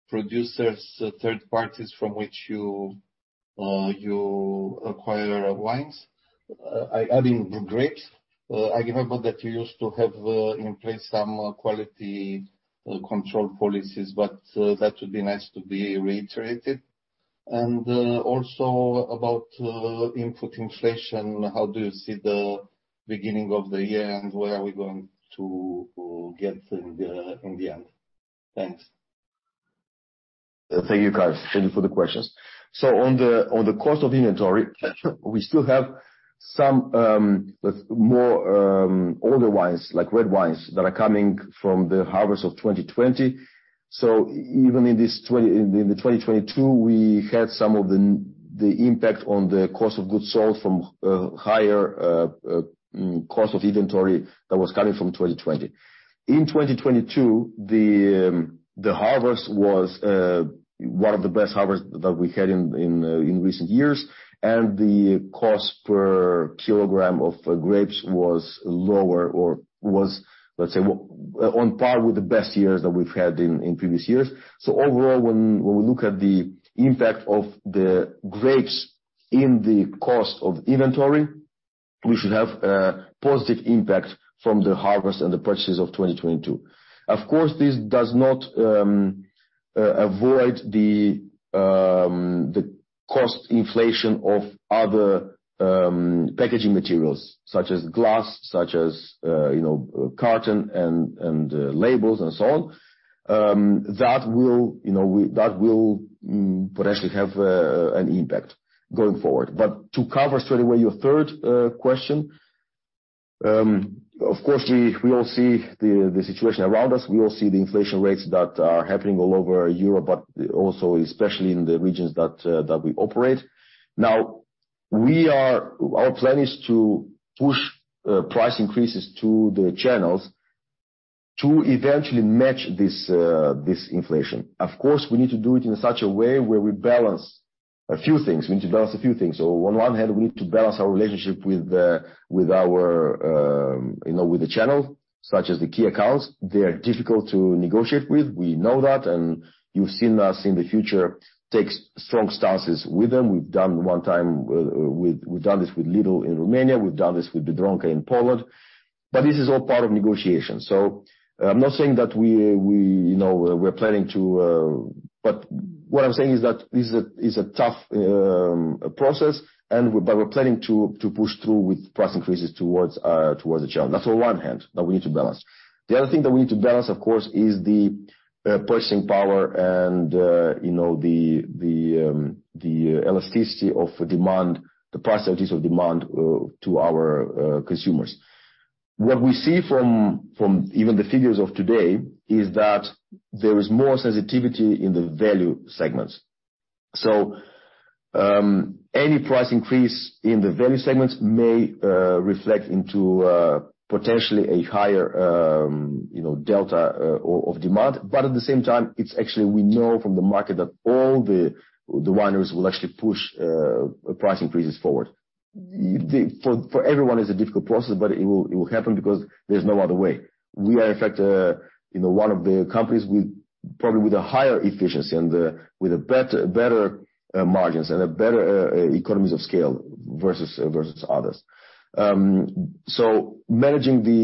S3: producers, third parties from which you acquire wines, I mean, grapes. I remember that you used to have in place some quality control policies, but that would be nice to be reiterated. Also about input inflation, how do you see the beginning of the year, and where are we going to get in the end? Thanks.
S1: Thank you, guys. Thank you for the questions. On the, on the cost of inventory, we still have some more older wines, like red wines, that are coming from the harvest of 2020. Even in the 2022, we had some of the impact on the cost of goods sold from higher cost of inventory that was coming from 2020. In 2022, the harvest was one of the best harvest that we had in recent years, and the cost per kilogram of grapes was lower or was, let's say, on par with the best years that we've had in previous years. Overall, when we look at the impact of the grapes in the cost of inventory, we should have a positive impact from the harvest and the purchases of 2022. Of course, this does not avoid the cost inflation of other packaging materials such as glass, such as, you know, carton and labels and so on. That will, you know, that will potentially have an impact going forward. To cover straight away your third question, of course we all see the situation around us. We all see the inflation rates that are happening all over Europe, but also especially in the regions that we operate. Our plan is to push price increases to the channels to eventually match this inflation. Of course, we need to do it in such a way where we balance a few things. We need to balance a few things. On one hand, we need to balance our relationship with our, you know, with the channel, such as the key accounts. They are difficult to negotiate with. We know that, and you've seen us in the future take strong stances with them. We've done one time we've done this with Lidl in Romania, we've done this with Biedronka in Poland. This is all part of negotiation. I'm not saying that we, you know, we're planning to. What I'm saying is that this is a, is a tough process and but we're planning to push through with price increases towards the channel. That's on one hand that we need to balance. The other thing that we need to balance, of course, is the purchasing power and, you know, the elasticity of demand, the price elasticity of demand to our consumers. What we see from even the figures of today is that there is more sensitivity in the value segments. Any price increase in the value segments may reflect into potentially a higher, you know, delta of demand. At the same time, it's actually we know from the market that all the wineries will actually push price increases forward. For everyone, it's a difficult process, but it will happen because there's no other way. We are, in fact, you know, one of the companies with, probably with a higher efficiency and, with a better margins and a better economies of scale versus others. Managing the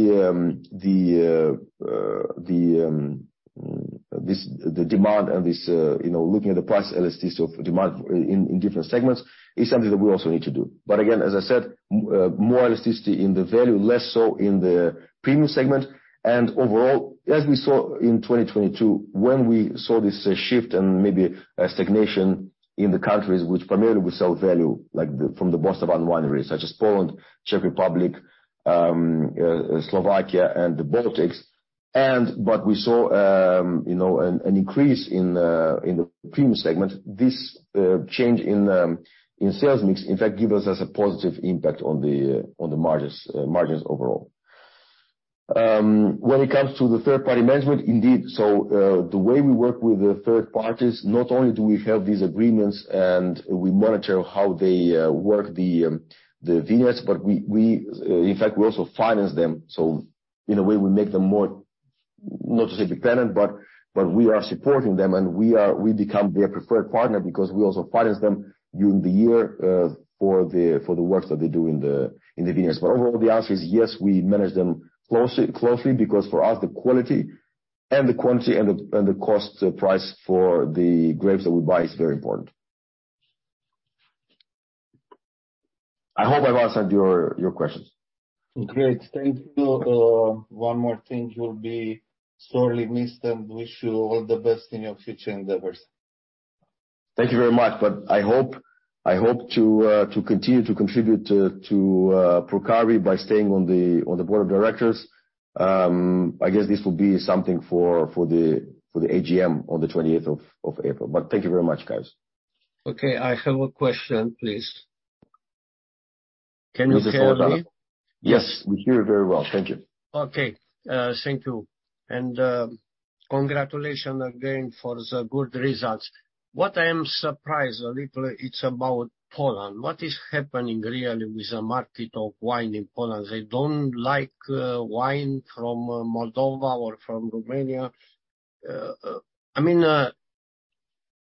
S1: demand and this, you know, looking at the price elasticity of demand in different segments is something that we also need to do. Again, as I said, more elasticity in the value, less so in the premium segment. Overall, as we saw in 2022, when we saw this shift and maybe a stagnation in the countries which primarily we sell value, like the, from the Bostavan winery, such as Poland, Czech Republic, Slovakia and the Baltics. We saw, you know, an increase in the premium segment. This change in sales mix, in fact, give us as a positive impact on the margins overall. When it comes to the third-party management, indeed, so, the way we work with the third parties, not only do we have these agreements and we monitor how they work the vineyards, but we in fact, we also finance them. In a way, we make them more, not necessarily dependent, but we are supporting them, and we become their preferred partner because we also finance them during the year for the works that they do in the vineyards. Overall, the answer is yes, we manage them closely, because for us, the quality and the quantity and the cost price for the grapes that we buy is very important. I hope I've answered your questions.
S3: Great. Thank you. One more thing. You'll be sorely missed. Wish you all the best in your future endeavors.
S1: Thank you very much. I hope to continue to contribute to Purcari by staying on the board of directors. I guess this will be something for the AGM on the 28th of April. Thank you very much, guys.
S4: Okay. I have a question, please. Can you hear me?
S1: Yes, we hear you very well. Thank you.
S4: Okay. Thank you. Congratulations again for the good results. What I am surprised a little, it's about Poland. What is happening really with the market of wine in Poland? They don't like wine from Moldova or from Romania. I mean,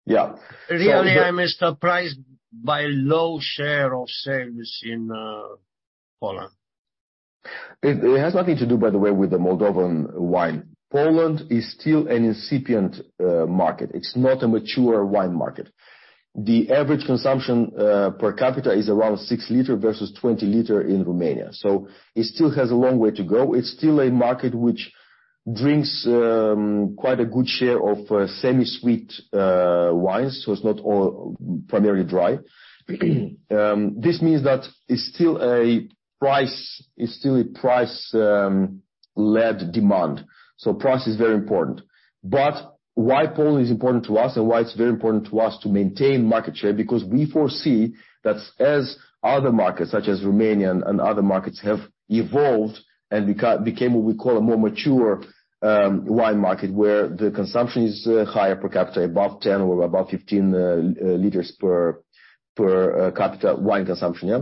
S1: Yeah.
S4: Really, I'm surprised by low share of sales in Poland.
S1: It has nothing to do, by the way, with the Moldovan wine. Poland is still an incipient market. It's not a mature wine market. The average consumption per capita is around 6 liters versus 20 liters in Romania. It still has a long way to go. It's still a market which drinks quite a good share of semi-sweet wines, so it's not all primarily dry. This means that it's still a price led demand. Price is very important. Why Poland is important to us and why it's very important to us to maintain market share, because we foresee that as other markets such as Romania and other markets have evolved and became what we call a more mature wine market, where the consumption is higher per capita, above 10 or above 15 liters per capita wine consumption, yeah.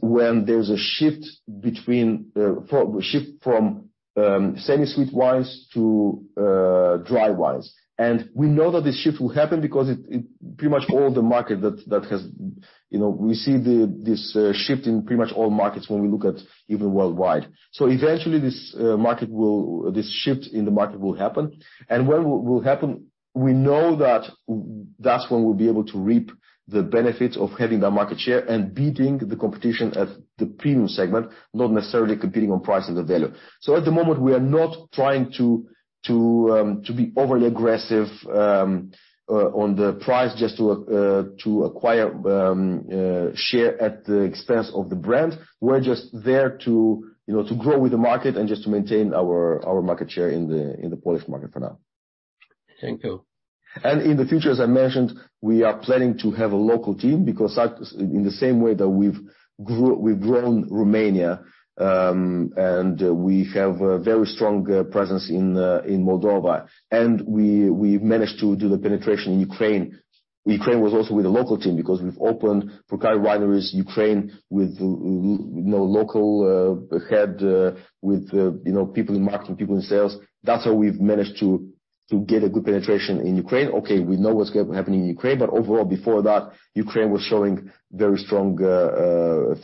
S1: When there's a shift between Shift from semi-sweet wines to dry wines. We know that this shift will happen because it pretty much all the market that has, you know, we see this shift in pretty much all markets when we look at even worldwide. Eventually this shift in the market will happen. When will happen, we know that that's when we'll be able to reap the benefits of having that market share and beating the competition at the premium segment, not necessarily competing on price and the value. At the moment, we are not trying to be overly aggressive on the price just to acquire share at the expense of the brand. We're just there to, you know, to grow with the market and just to maintain our market share in the Polish market for now.
S4: Thank you.
S1: In the future, as I mentioned, we are planning to have a local team because that's in the same way that we've grown Romania, and we have a very strong presence in Moldova. We've managed to do the penetration in Ukraine. Ukraine was also with a local team because we've opened Purcari Wineries Ukraine with, you know, local head, with, you know, people in marketing, people in sales. That's how we've managed to get a good penetration in Ukraine. We know what's happening in Ukraine, but overall before that, Ukraine was showing very strong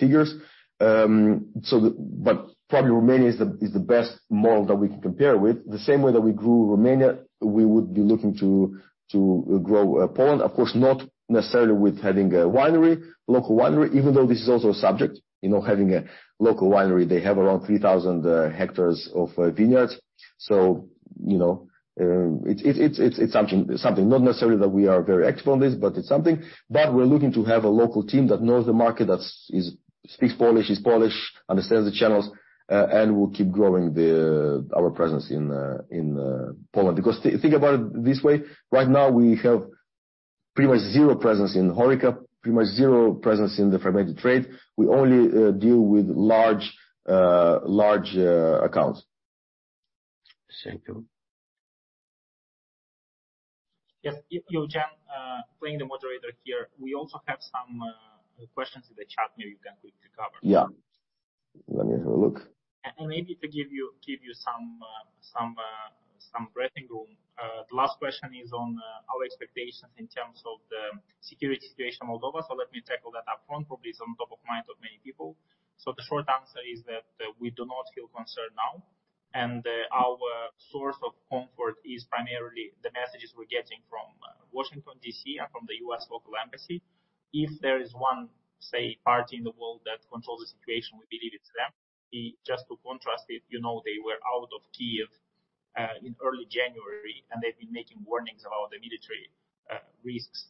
S1: figures. Probably Romania is the best model that we can compare with. The same way that we grew Romania, we would be looking to grow Poland. Of course, not necessarily with having a winery, local winery, even though this is also a subject. You know, having a local winery, they have around 3,000 hectares of vineyards. You know, it's something. Not necessarily that we are very expert on this, but it's something. We're looking to have a local team that knows the market, that speaks Polish, is Polish, understands the channels, and will keep growing our presence in Poland. Think about it this way. Right now we have pretty much zero presence in HoReCa, pretty much zero presence in the fragmented trade. We only deal with large accounts.
S4: Thank you.
S5: Yes. Eugen, playing the moderator here, we also have some questions in the chat maybe you can quickly cover.
S1: Yeah. Let me have a look.
S5: Maybe to give you, give you some breathing room. The last question is on our expectations in terms of the security situation in Moldova. Let me tackle that up front. Probably it's on top of mind of many people. The short answer is that we do not feel concerned now, and our source of comfort is primarily the messages we're getting from Washington D.C. and from the U.S. local embassy. If there is one, say, party in the world that controls the situation, we believe it's them. Just to contrast it, you know, they were out of Kyiv in early January, and they've been making warnings about the military risks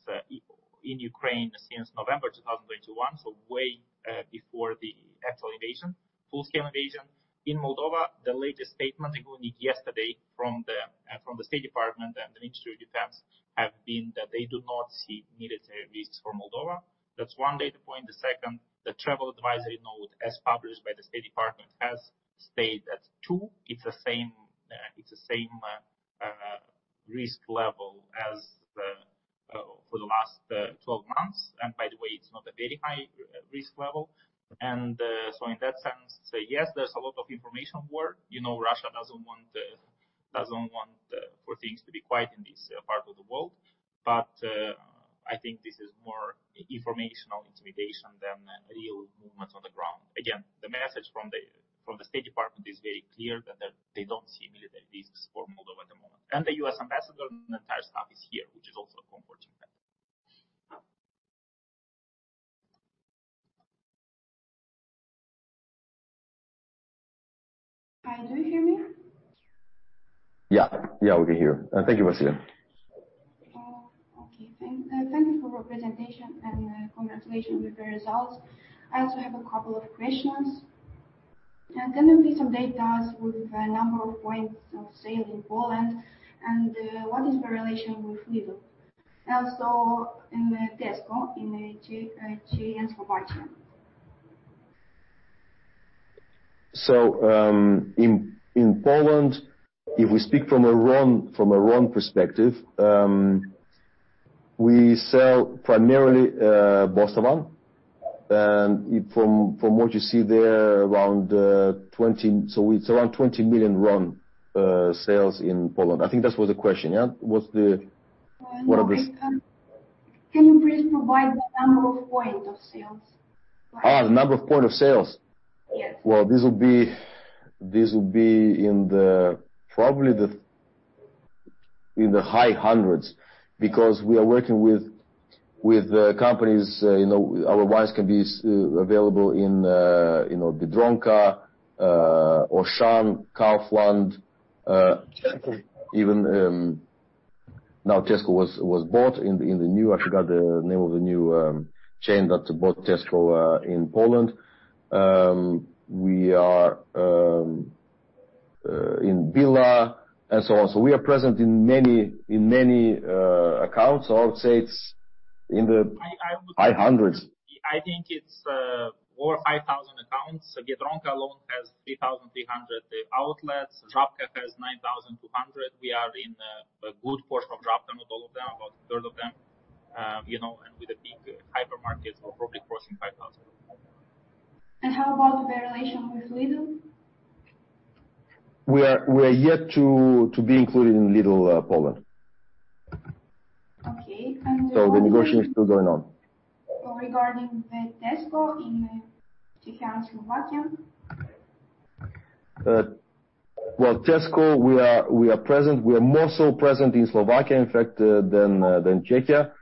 S5: in Ukraine since November 2021, so way before the actual invasion, full scale invasion. In Moldova, the latest statement, I think we need yesterday from the State Department and the Ministry of Defense, have been that they do not see military risks for Moldova. That's one data point. The second, the travel advisory note as published by the State Department has stayed at two. It's the same, it's the same risk level as for the last 12 months. By the way, it's not a very high risk level. In that sense, yes, there's a lot of information war. You know, Russia doesn't want, doesn't want for things to be quiet in this part of the world. I think this is more informational intimidation than real movements on the ground. Again, the message from the State Department is very clear that they don't see military risks for Moldova at the moment. The U.S. ambassador and the entire staff is here, which is also a comforting factor.
S6: Hi. Do you hear me?
S1: Yeah. Yeah, we can hear. Thank you, Vasil.
S6: Oh, okay. Thank you for your presentation and congratulations with the results. I also have a couple of questions. Can you please update us with the number of points of sale in Poland, and what is the relation with Lidl? Also in Tesco, in Czechia and Slovakia?
S1: In Poland, if we speak from a RON perspective, we sell primarily Bostavan. From what you see there, around 20 million RON sales in Poland. I think that was the question, yeah?
S6: No, I.
S1: What are the-
S6: Can you please provide the number of point of sales?
S1: The number of point of sales?
S6: Yes.
S1: Well, this will be in the, probably the, in the high hundreds, because we are working with companies, you know, our wines can be available in, you know, Biedronka, Auchan, Carrefour, and.
S6: Tesco.
S1: Tesco was bought in the new I forgot the name of the new chain that bought Tesco in Poland. We are in Billa and so on. We are present in many accounts. I would say it's in the high hundreds.
S5: I would say I think it's over 5,000 accounts. Biedronka alone has 3,300 outlets. Żabka has 9,200. We are in a good portion of Żabka, not all of them, about a third of them. You know, with the big hypermarkets, we're probably crossing 5,000.
S6: How about the relation with Lidl?
S1: We are yet to be included in Lidl, Poland.
S6: Okay.
S1: The negotiation is still going on.
S6: Regarding the Tesco in Czechia and Slovakia.
S1: Well, Tesco, we are present. We are more so present in Slovakia, in fact, than Czechia.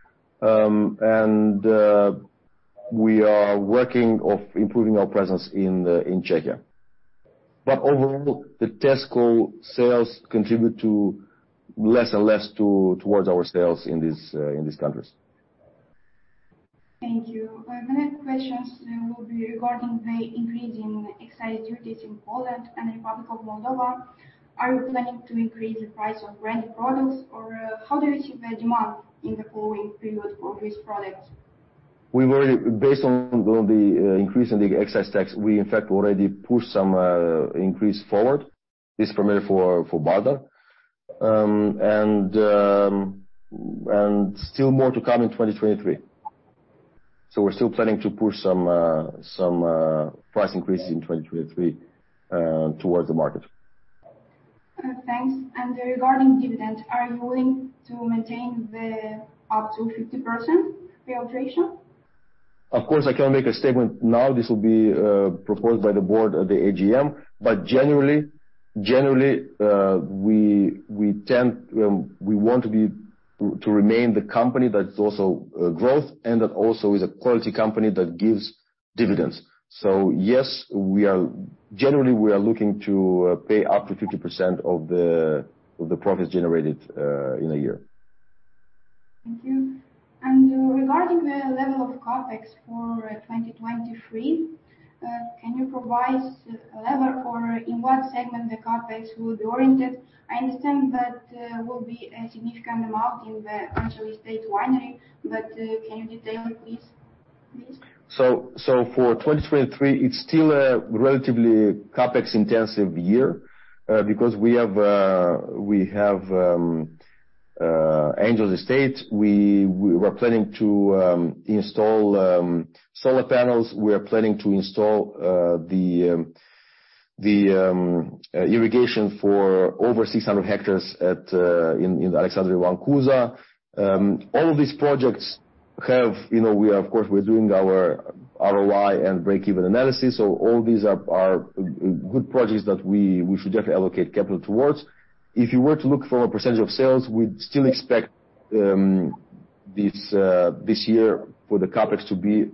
S1: We are working of improving our presence in Czechia. Overall, the Tesco sales contribute to less and less towards our sales in these countries.
S6: Thank you. My next questions will be regarding the increase in excise duties in Poland and Republic of Moldova. Are you planning to increase the price of brand products or how do you achieve the demand in the following period for these products?
S1: Based on the increase in the excise tax, we in fact already pushed some increase forward. This primarily for Bardar. Still more to come in 2023. We're still planning to push some price increase in 2023 towards the market.
S6: Thanks. Regarding dividend, are you going to maintain the up to 50% payout ratio?
S1: Of course, I can make a statement now, this will be proposed by the board of the AGM. Generally, we tend, we want to remain the company that's also growth, and that also is a quality company that gives dividends. Yes, generally, we are looking to pay up to 50% of the profits generated in a year.
S2: Thank you. Regarding the level of CapEx for 2023, can you provide a level or in what segment the CapEx will be oriented? I understand that will be a significant amount in the Angel's Estate winery, but can you detail please?
S1: For 2023, it's still a relatively CapEx intensive year, because we have Angel's Estate. We were planning to install solar panels. We are planning to install the irrigation for over 600 hectares in Alexandru Ioan Cuza. All of these projects have, you know, we are, of course, we're doing our ROI and break-even analysis. All these are good projects that we should definitely allocate capital towards. If you were to look from a percentage of sales, we'd still expect this year for the CapEx to be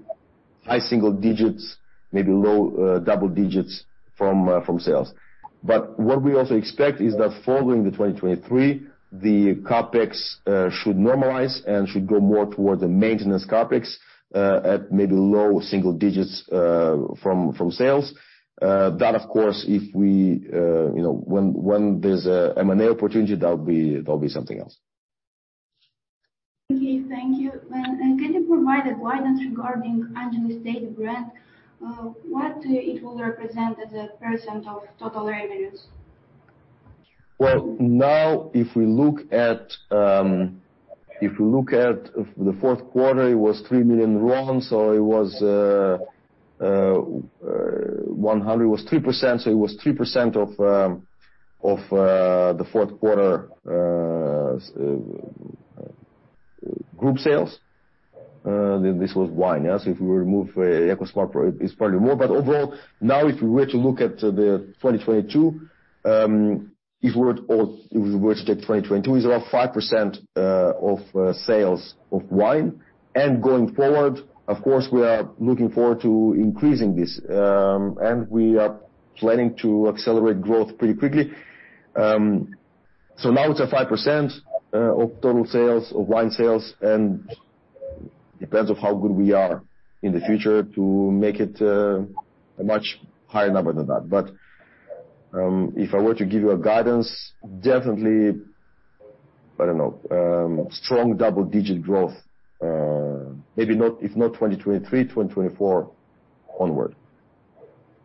S1: high single digits, maybe low double digits from sales. What we also expect is that following 2023, the CapEx should normalize and should go more towards the maintenance CapEx at maybe low single digits from sales. Of course, if we, you know, when there's a M&A opportunity, that'll be something else.
S6: Okay, thank you. Can you provide a guidance regarding Angel's Estate brand? What it will represent as a % of total revenues?
S1: Now if we look at the fourth quarter, it was RON 3 million, so it was 3% of the fourth quarter group sales. This was wine. If we remove EcoSmart, it's probably more. If we were to take 2022, it's around 5% of sales of wine. Going forward, of course, we are looking forward to increasing this, and we are planning to accelerate growth pretty quickly. Now it's at 5% of total sales, of wine sales, and depends on how good we are in the future to make it a much higher number than that. If I were to give you a guidance, definitely, I don't know, strong double-digit growth, maybe not if not 2023, 2024 onward.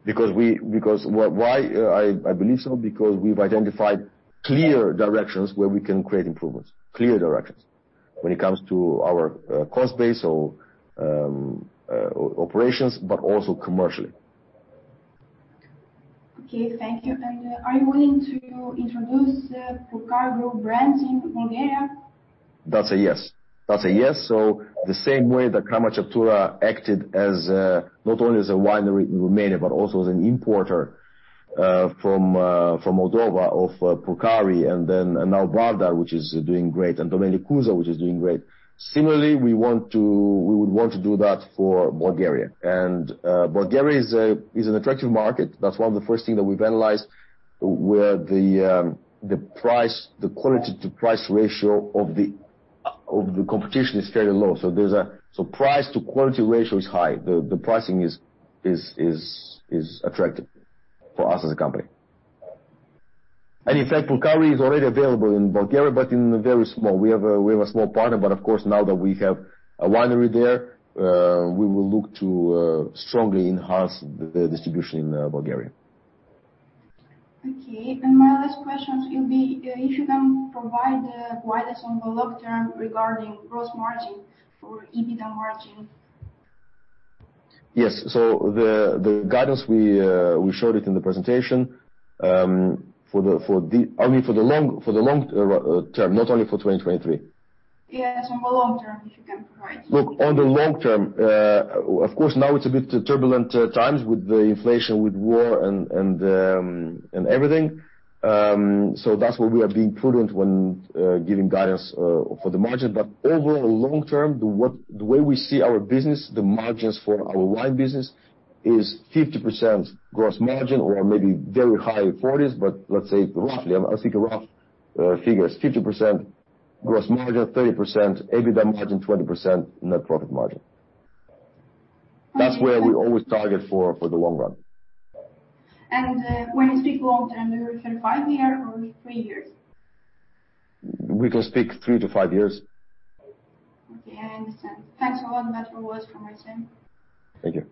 S1: Because we, why I believe so, because we've identified clear directions where we can create improvements, clear directions when it comes to our cost base or operations, but also commercially.
S6: Okay, thank you. Are you willing to introduce Purcari brand in Bulgaria?
S1: That's a yes. That's a yes. The same way that Crama Măciuca acted as not only as a winery in Romania, but also as an importer from Moldova of Purcari and now Branda, which is doing great, and Domeniile Cuza, which is doing great. Similarly, we would want to do that for Bulgaria. Bulgaria is an attractive market. That's one of the first thing that we've analyzed, where the price, the quality to price ratio of the competition is fairly low. Price to quality ratio is high. The pricing is attractive for us as a company. In fact, Purcari is already available in Bulgaria, but in a very small. We have a small partner, but of course, now that we have a winery there, we will look to strongly enhance the distribution in Bulgaria.
S6: Okay. My last question will be, if you can provide a guidance on the long term regarding gross margin for EBITDA margin?
S1: Yes. The guidance we showed it in the presentation, I mean for the long term, not only for 2023.
S6: Yes, on the long term, if you can provide.
S1: Look, on the long term, of course now it's a bit turbulent times with the inflation, with war and everything. That's why we are being prudent when giving guidance for the margin. Overall long term, the way we see our business, the margins for our wine business is 50% gross margin or maybe very high 40s. Let's say roughly, I'm thinking rough figures, 50% gross margin, 30% EBITDA margin, 20% net profit margin. That's where we always target for the long run.
S6: When you speak long term, we refer 5 year or 3 years?
S1: We can speak three to five years.
S6: Okay, I understand. Thanks a lot. That was from my team.
S1: Thank you.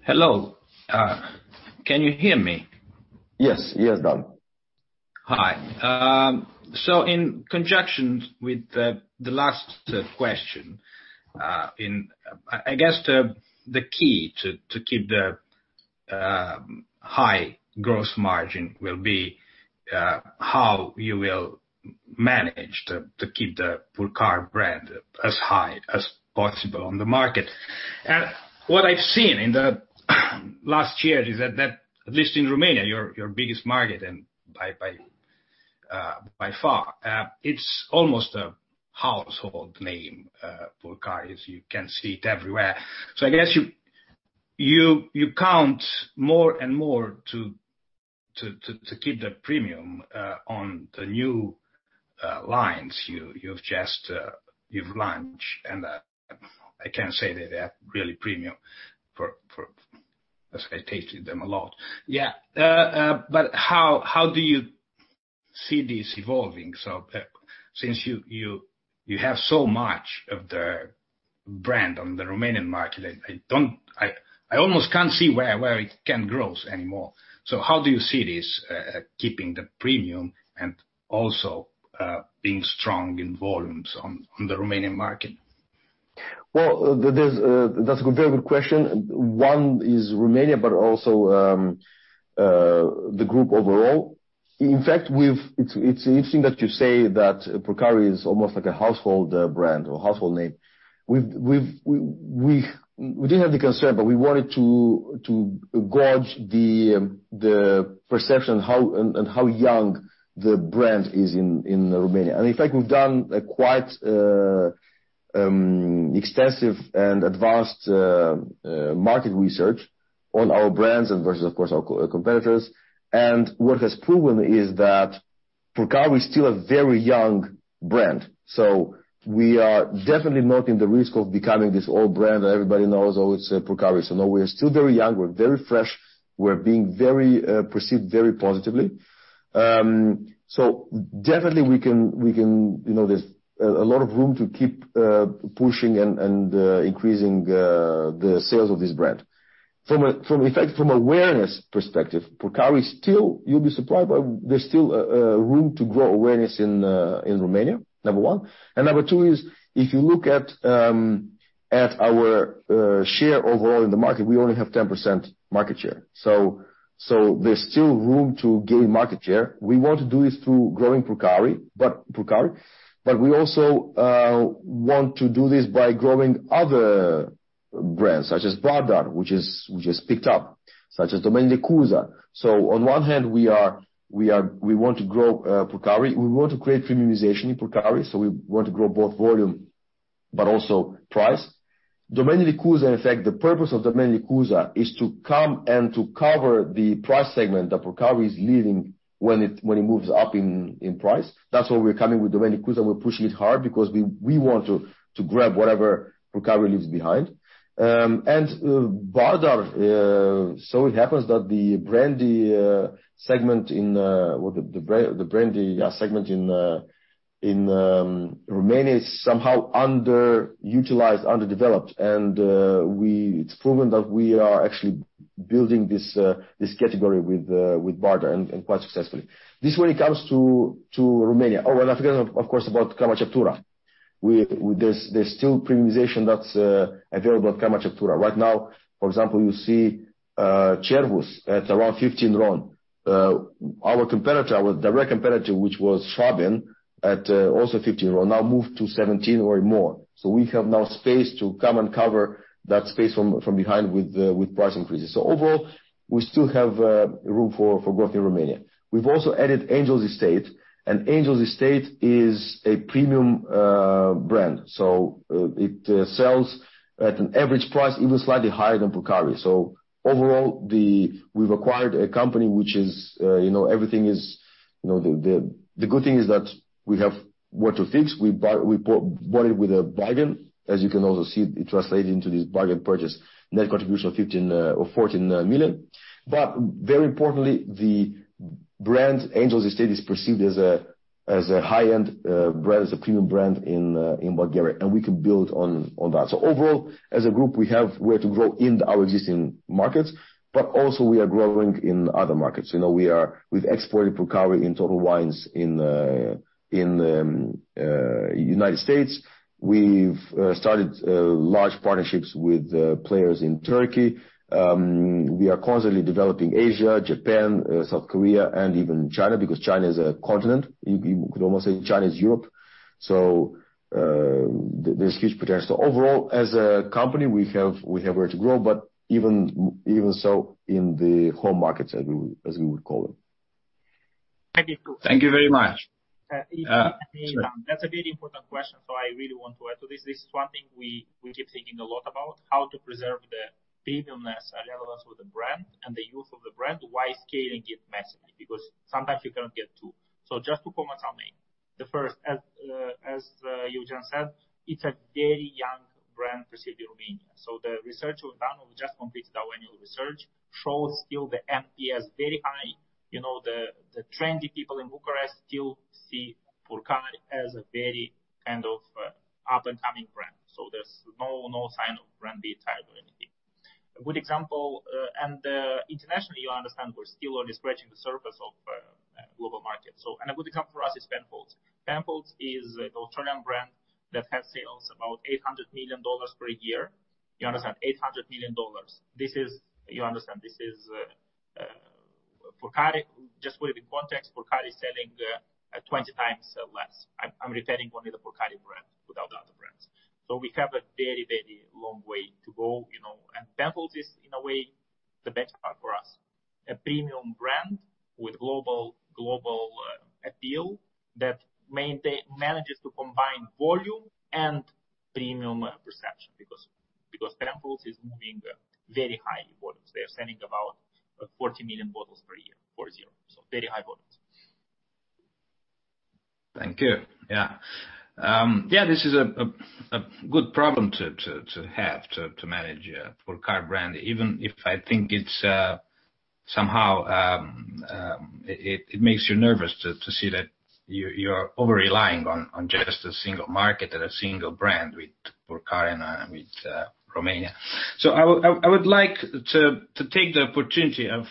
S7: Hello. Can you hear me?
S1: Yes. Yes, Dan.
S7: Hi. In conjunction with the last question, I guess the key to keep the high growth margin will be how you will manage to keep the Purcari brand as high as possible on the market. What I've seen in the last year is that at least in Romania, your biggest market and by far, it's almost a household name, Purcari as you can see it everywhere. I guess you count more and more to keep the premium on the new lines you've just launched, and I can say that they're really premium. As I tasted them a lot. How do you see this evolving? Since you have so much of the brand on the Romanian market, I almost can't see where it can grow anymore. How do you see this, keeping the premium and also, being strong in volumes on the Romanian market?
S1: Well, there's that's a very good question. One is Romania, but also the group overall. In fact, we've. It's interesting that you say that Purcari is almost like a household brand or household name. We didn't have the concern, but we wanted to gauge the perception how and how young the brand is in Romania. In fact, we've done a quite extensive and advanced market research on our brands and versus, of course, our co-competitors. What has proven is that Purcari is still a very young brand. We are definitely not in the risk of becoming this old brand that everybody knows, "Oh, it's Purcari." No, we are still very young, we're very fresh. We're being very perceived very positively. Definitely we can, you know, there's a lot of room to keep pushing and increasing the sales of this brand. From awareness perspective, there's still room to grow awareness in Romania, number one. Number two is, if you look at our share overall in the market, we only have 10% market share. There's still room to gain market share. We want to do this through growing Purcari, but we also want to do this by growing other brands such as Bardar, which is picked up, such as Domeniile Cuza. On one hand, we want to grow Purcari. We want to create premiumization in Purcari. We want to grow both volume but also price. Domeniile Cuza, in fact, the purpose of Domeniile Cuza is to come and to cover the price segment that Purcari is leaving when it moves up in price. That's why we're coming with Domeniile Cuza. We're pushing it hard because we want to grab whatever Purcari leaves behind. Bardar, so it happens that the brandy segment in what the brandy segment in Romania is somehow underutilized, underdeveloped. It's proven that we are actually building this category with Bardar and quite successfully. This when it comes to Romania. I forgot of course about Crama Ceptura. With this, there's still premiumization that's available at Crama Ceptura. Right now, for example, you see Astrum Cervi at around RON 15. Our competitor, our direct competitor, which was Schwaben at also RON 15, now moved to 17 or more. We have now space to come and cover that space from behind with price increases. Overall, we still have room for growth in Romania. We've also added Angel's Estate. Angel's Estate is a premium brand. It sells at an average price even slightly higher than Purcari. Overall, we've acquired a company which is, you know, everything is, you know. The good thing is that we have where to fix. We bought it with a bargain. As you can also see, it translated into this bargain purchase. Net contribution of RON 15 or RON 14 million. Very importantly, the brand Angel's Estate is perceived as a high-end brand, as a premium brand in Bulgaria, and we can build on that. Overall, as a group, we have where to grow in our existing markets, but also we are growing in other markets. You know, we've exported Purcari in total wines in United States. We've started large partnerships with players in Turkey. We are constantly developing Asia, Japan, South Korea, and even China, because China is a continent. You could almost say China is Europe. There's huge potential. Overall, as a company, we have where to grow, but even so in the home markets as we would call them.
S7: Thank you. Thank you very much.
S5: If I may.
S1: Sorry.
S5: That's a very important question. I really want to add to this. This is one thing we keep thinking a lot about, how to preserve the premiumness and relevance with the brand and the use of the brand while scaling it massively, because sometimes you cannot get two. Just to comment on main. The first, as Eugen said, it's a very young brand perceived in Romania. The research we've done, we've just completed our annual research, shows still the NPS very high. You know, the trendy people in Bucharest still see Purcari as a very kind of, up and coming brand. There's no sign of brand fatigue or anything. A good example, and, internationally, you understand we're still only scratching the surface of global market. A good example for us is Penfolds. Penfolds is an Australian brand that has sales about $800 million per year. You understand $800 million. You understand this is Purcari. Just to put it in context, Purcari is selling at 20 times less. I'm repeating only the Purcari brand without the other brands. We have a very, very long way to go, you know. Penfolds is, in a way, the benchmark for us. A premium brand with global appeal that manages to combine volume and premium perception because Penfolds is moving very high volumes. They are selling about 40 million bottles per year. Four zero. Very high volumes.
S8: Thank you. Yeah. Yeah, this is a good problem to have, to manage Purcari brand, even if I think it's somehow it makes you nervous to see that you're over-relying on just a single market and a single brand with Purcari and with Romania. I would like to take the opportunity of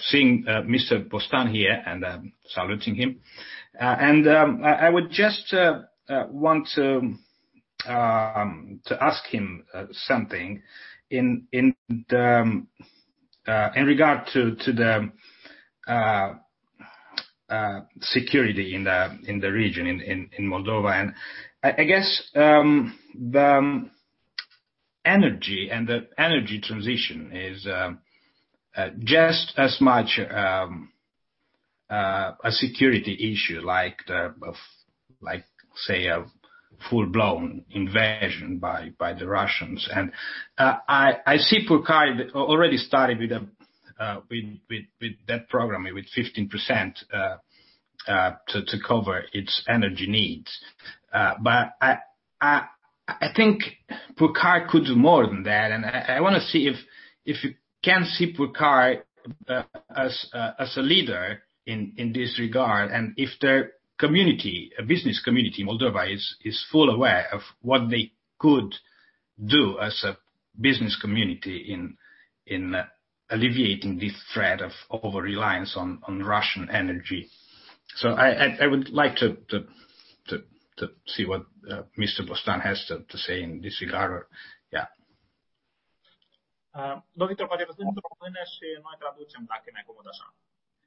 S8: seeing Mr. Bostan here and saluting him. I would just want to ask him something in regard to the security in the region, in Moldova. I guess, the energy and the energy transition is just as much a security issue, like, say, a full-blown invasion by the Russians. I see Purcari already started with that program with 15% to cover its energy needs. I think Purcari could do more than that. I wanna see if you can see Purcari as a leader in this regard, and if the community, business community in Moldova is full aware of what they could do as a business community in alleviating this threat of over-reliance on Russian energy. I would like to see what Mr. Bostan has to say in this regard. Yeah.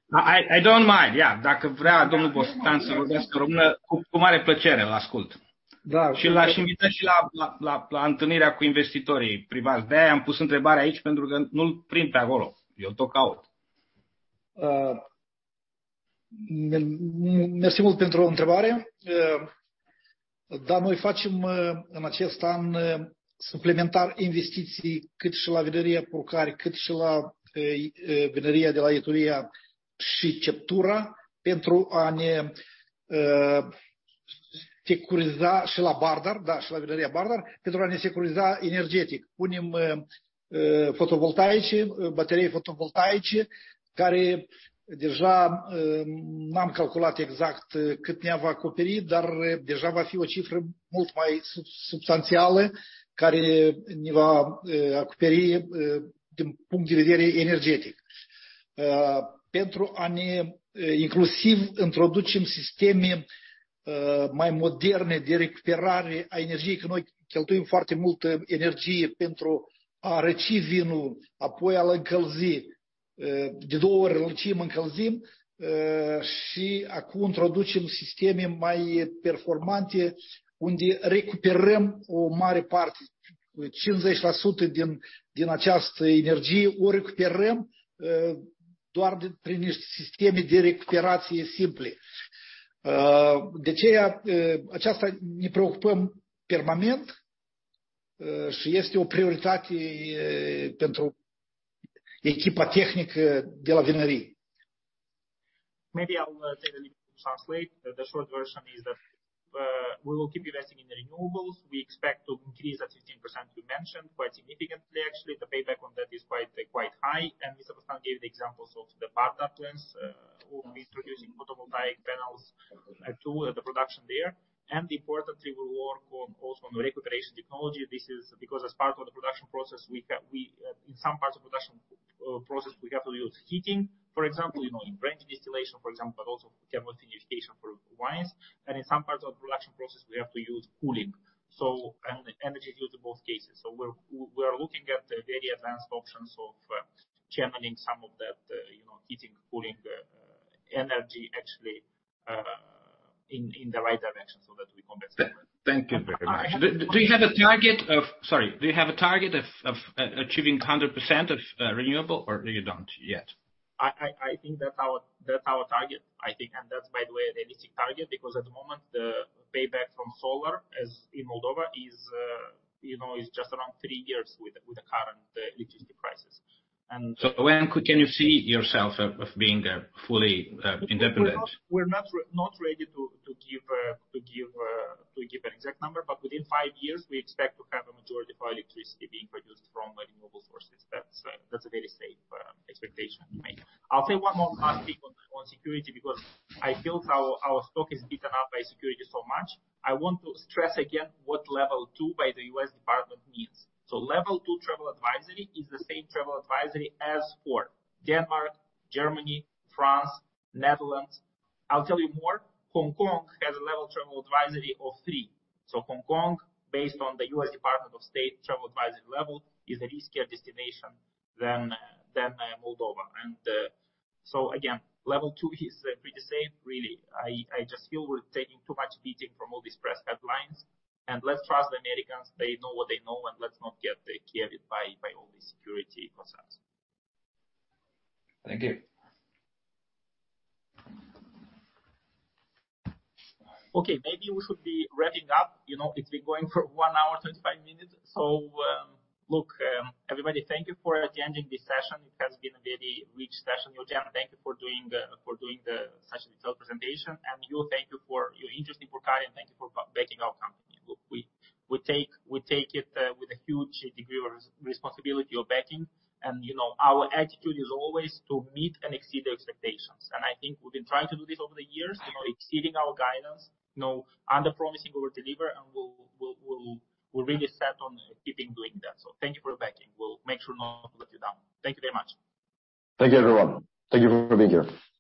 S9: Uh,
S5: I don't mind. Yeah.
S9: Uh,
S5: Maybe I'll a little to translate. The short version is that we will keep investing in renewables. We expect to increase that 15% you mentioned quite significantly, actually. The payback on that is quite high. Mr. Bostan gave the examples of the partner plants who will be introducing photovoltaic panels to the production there. Importantly, we will work on, also on the recuperation technology. This is because as part of the production process, we, in some parts of production process, we have to use heating, for example, you know, in branch distillation, for example, but also thermification for wines. In some parts of the production process, we have to use cooling. Energy is used in both cases. We're looking at the very advanced options of channeling some of that, you know, heating, cooling, energy actually, in the right direction so that we compensate.
S8: Thank you very much. Do you have a target of achieving 100% of renewable or you don't yet?
S5: I think that's our target, I think. That's, by the way, a realistic target because at the moment, the payback from solar as in Moldova is, you know, just around three years with the current electricity prices.
S3: When can you see yourself of being fully independent?
S5: We're not ready to give an exact number, but within five years we expect to have a majority of our electricity being produced from renewable sources. That's a very safe expectation to make. I'll say one more last thing on security, because I feel our stock is beaten up by security so much. I want to stress again what level 2 by the U.S. Department means. Level 2 travel advisory is the same travel advisory as for Denmark, Germany, France, Netherlands. I'll tell you more. Hong Kong has a level travel advisory of 3. Hong Kong, based on the U.S. Department of State travel advisory level, is a riskier destination than Moldova. Again, level 2 is pretty safe really. I just feel we're taking too much beating from all these press headlines. Let's trust the Americans. They know what they know, let's not get carried by all the security concerns.
S8: Thank you.
S5: Okay. Maybe we should be wrapping up. You know, it's been going for 1 hour, 35 minutes. Look, everybody, thank you for attending this session. It has been a very rich session. Eugen, thank you for doing such a detailed presentation. You, thank you for your interest in Purcari, and thank you for backing our company. Look, we take it with a huge degree of responsibility you're backing. You know, our attitude is always to meet and exceed the expectations. I think we've been trying to do this over the years, you know, exceeding our guidance. You know, under promising, over deliver, and we'll really set on keeping doing that. Thank you for backing. We'll make sure not to let you down. Thank you very much.
S3: Thank you, everyone. Thank you for being here.